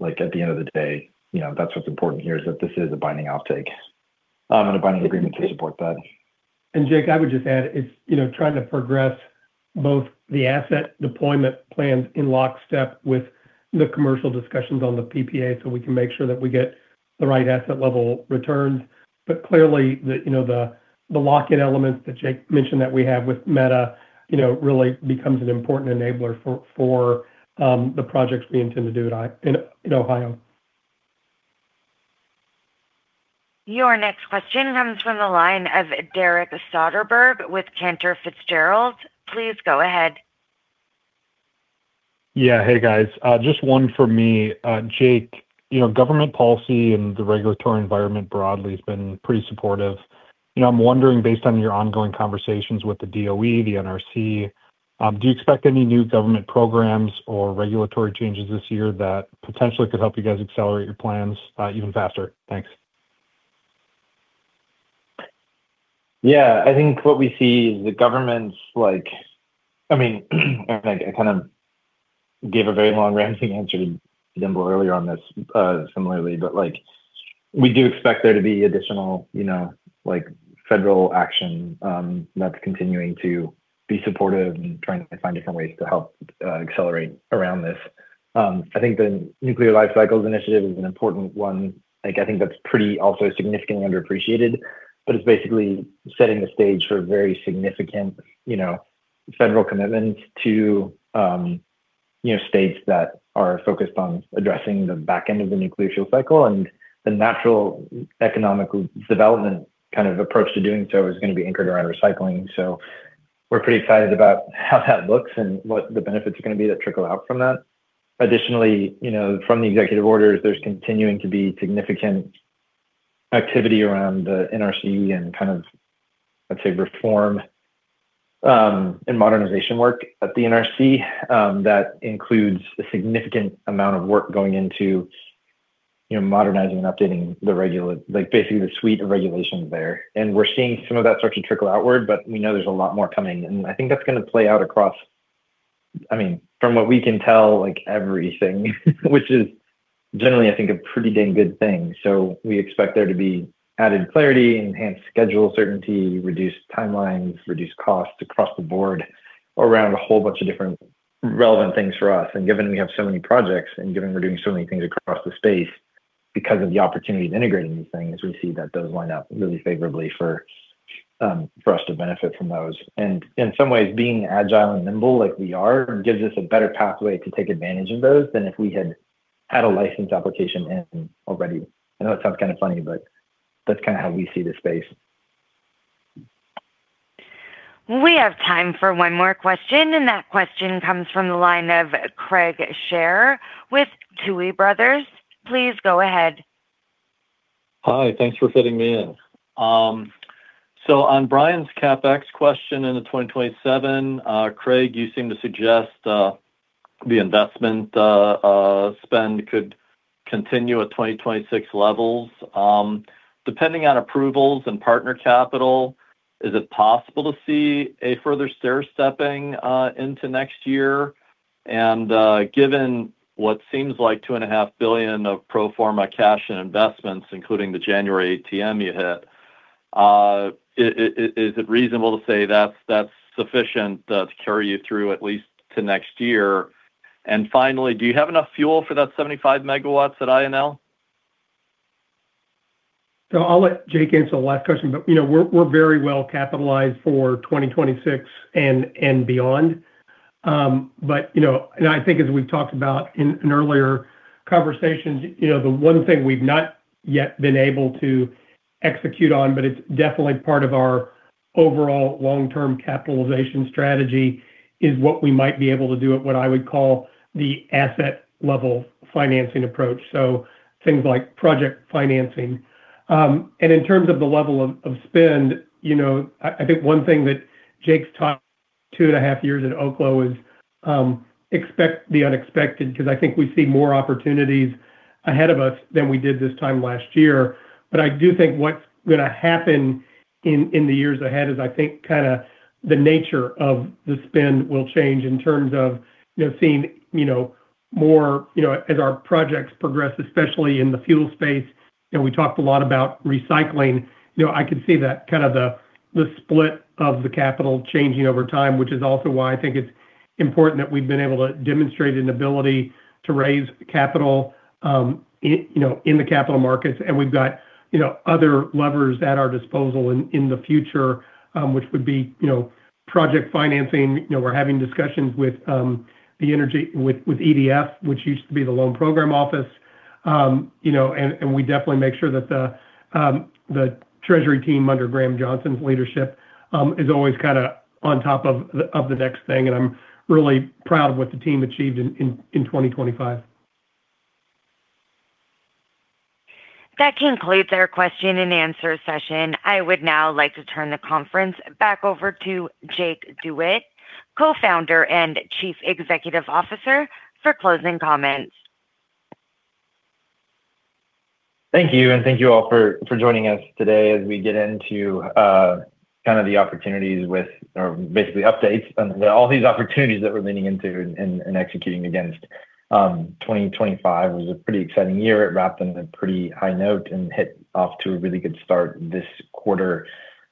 Like at the end of the day, you know, that's what's important here is that this is a binding offtake, and a binding agreement to support that. Jake, I would just add it's you know trying to progress both the asset deployment plans in lockstep with the commercial discussions on the PPA so we can make sure that we get the right asset level returns. Clearly the you know the lock-in elements that Jake mentioned that we have with Meta you know really becomes an important enabler for the projects we intend to do in Ohio. Your next question comes from the line of Derek Soderberg with Cantor Fitzgerald. Please go ahead. Yeah. Hey, guys. Just one for me. Jake, you know, government policy and the regulatory environment broadly has been pretty supportive. You know, I'm wondering based on your ongoing conversations with the DOE, the NRC. Do you expect any new government programs or regulatory changes this year that potentially could help you guys accelerate your plans, even faster? Thanks. Yeah. I think what we see is the government's like I mean, I kind of gave a very long-ranging answer to Dimple earlier on this, similarly. Like, we do expect there to be additional, you know, like, federal action, that's continuing to be supportive and trying to find different ways to help, accelerate around this. I think the Nuclear Lifecycle Innovation Campuses is an important one. Like, I think that's pretty also significantly underappreciated, but it's basically setting the stage for a very significant, you know, federal commitment to, you know, states that are focused on addressing the back end of the nuclear fuel cycle. The natural economic development kind of approach to doing so is gonna be anchored around recycling. We're pretty excited about how that looks and what the benefits are gonna be that trickle out from that. Additionally, you know, from the executive orders, there's continuing to be significant activity around the NRC and kind of, let's say, reform, and modernization work at the NRC, that includes a significant amount of work going into, you know, modernizing and updating like, basically the suite of regulations there. We're seeing some of that starting to trickle outward, but we know there's a lot more coming. I think that's gonna play out across, I mean, from what we can tell, like, everything which is generally, I think, a pretty dang good thing. We expect there to be added clarity, enhanced schedule certainty, reduced timelines, reduced costs across the board around a whole bunch of different relevant things for us. Given we have so many projects and given we're doing so many things across the space, because of the opportunity to integrate new things, we see that those line up really favorably for us to benefit from those. In some ways, being agile and nimble like we are gives us a better pathway to take advantage of those than if we had had a license application in already. I know it sounds kinda funny, but that's kinda how we see the space. We have time for one more question, and that question comes from the line of Craig Shere with Tuohy Brothers. Please go ahead. Hi. Thanks for fitting me in. So on Brian's CapEx question into 2027, Craig, you seem to suggest the investment spend could continue at 2026 levels. Depending on approvals and partner capital, is it possible to see a further stair stepping into next year? Given what seems like $2.5 billion of pro forma cash and investments, including the January ATM you hit, is it reasonable to say that's sufficient to carry you through at least to next year? Finally, do you have enough fuel for that 75 MW at INL? I'll let Jake answer the last question. You know, we're very well capitalized for 2026 and beyond. I think as we've talked about in earlier conversations, you know, the one thing we've not yet been able to execute on, but it's definitely part of our overall long-term capitalization strategy, is what we might be able to do at what I would call the asset level financing approach. Things like project financing. In terms of the level of spend, you know, I think one thing that Jake's taught two and a half years at Oklo is, expect the unexpected 'cause I think we see more opportunities ahead of us than we did this time last year. I do think what's gonna happen in the years ahead is I think kinda the nature of the spend will change in terms of, you know, seeing, you know, more, you know, as our projects progress, especially in the fuel space. You know, we talked a lot about recycling. You know, I could see that kind of the split of the capital changing over time, which is also why I think it's important that we've been able to demonstrate an ability to raise capital, you know, in the capital markets. We've got, you know, other levers at our disposal in the future, which would be, you know, project financing. You know, we're having discussions with the LPO, which used to be the Loan Programs Office. You know, we definitely make sure that the treasury team under Graham Johnson's leadership is always kinda on top of the next thing. I'm really proud of what the team achieved in 2025. That concludes our question and answer session. I would now like to turn the conference back over to Jake DeWitte, Co-founder and Chief Executive Officer, for closing comments. Thank you, and thank you all for joining us today as we get into kind of the opportunities with or basically updates and all these opportunities that we're leaning into and executing against. 2025 was a pretty exciting year. It wrapped on a pretty high note and kicked off to a really good start this quarter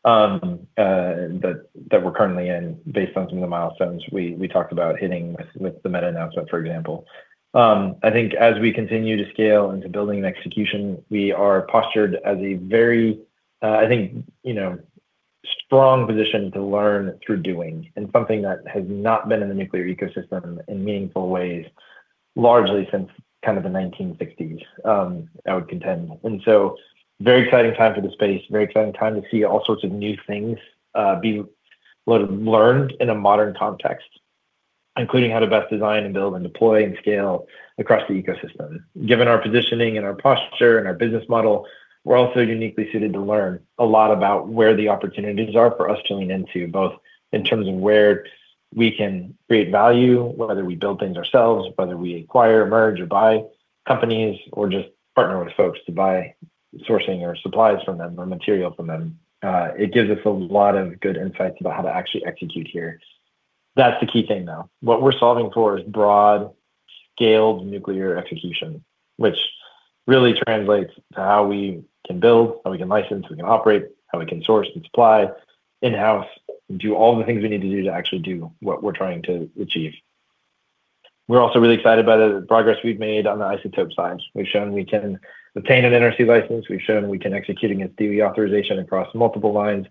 that we're currently in based on some of the milestones we talked about hitting with the Meta announcement, for example. I think as we continue to scale into building and execution, we are postured as a very, I think, you know, strong position to learn through doing and something that has not been in the nuclear ecosystem in meaningful ways largely since kind of the 1960s, I would contend. Very exciting time for the space, very exciting time to see all sorts of new things being learned in a modern context, including how to best design and build and deploy and scale across the ecosystem. Given our positioning and our posture and our business model, we're also uniquely suited to learn a lot about where the opportunities are for us to lean into, both in terms of where we can create value, whether we build things ourselves, whether we acquire, merge, or buy companies, or just partner with folks to buy sourcing or supplies from them or material from them. It gives us a lot of good insights about how to actually execute here. That's the key thing, though. What we're solving for is broad, scaled nuclear execution, which really translates to how we can build, how we can license, we can operate, how we can source and supply in-house, and do all the things we need to do to actually do what we're trying to achieve. We're also really excited about the progress we've made on the isotope science. We've shown we can obtain an NRC license, we've shown we can execute against DOE authorization across multiple lines,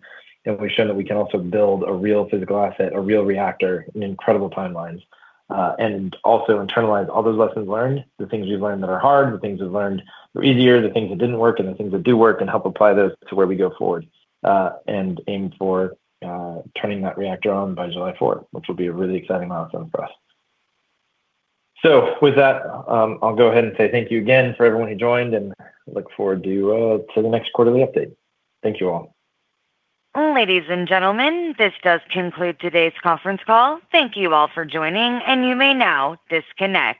and we've shown that we can also build a real physical asset, a real reactor in incredible timelines. Also internalize all those lessons learned, the things we've learned that are hard, the things we've learned are easier, the things that didn't work and the things that do work, and help apply those to where we go forward, and aim for turning that reactor on by July 4th, which will be a really exciting milestone for us. With that, I'll go ahead and say thank you again for everyone who joined, and look forward to the next quarterly update. Thank you all. Ladies and gentlemen, this does conclude today's conference call. Thank you all for joining, and you may now disconnect.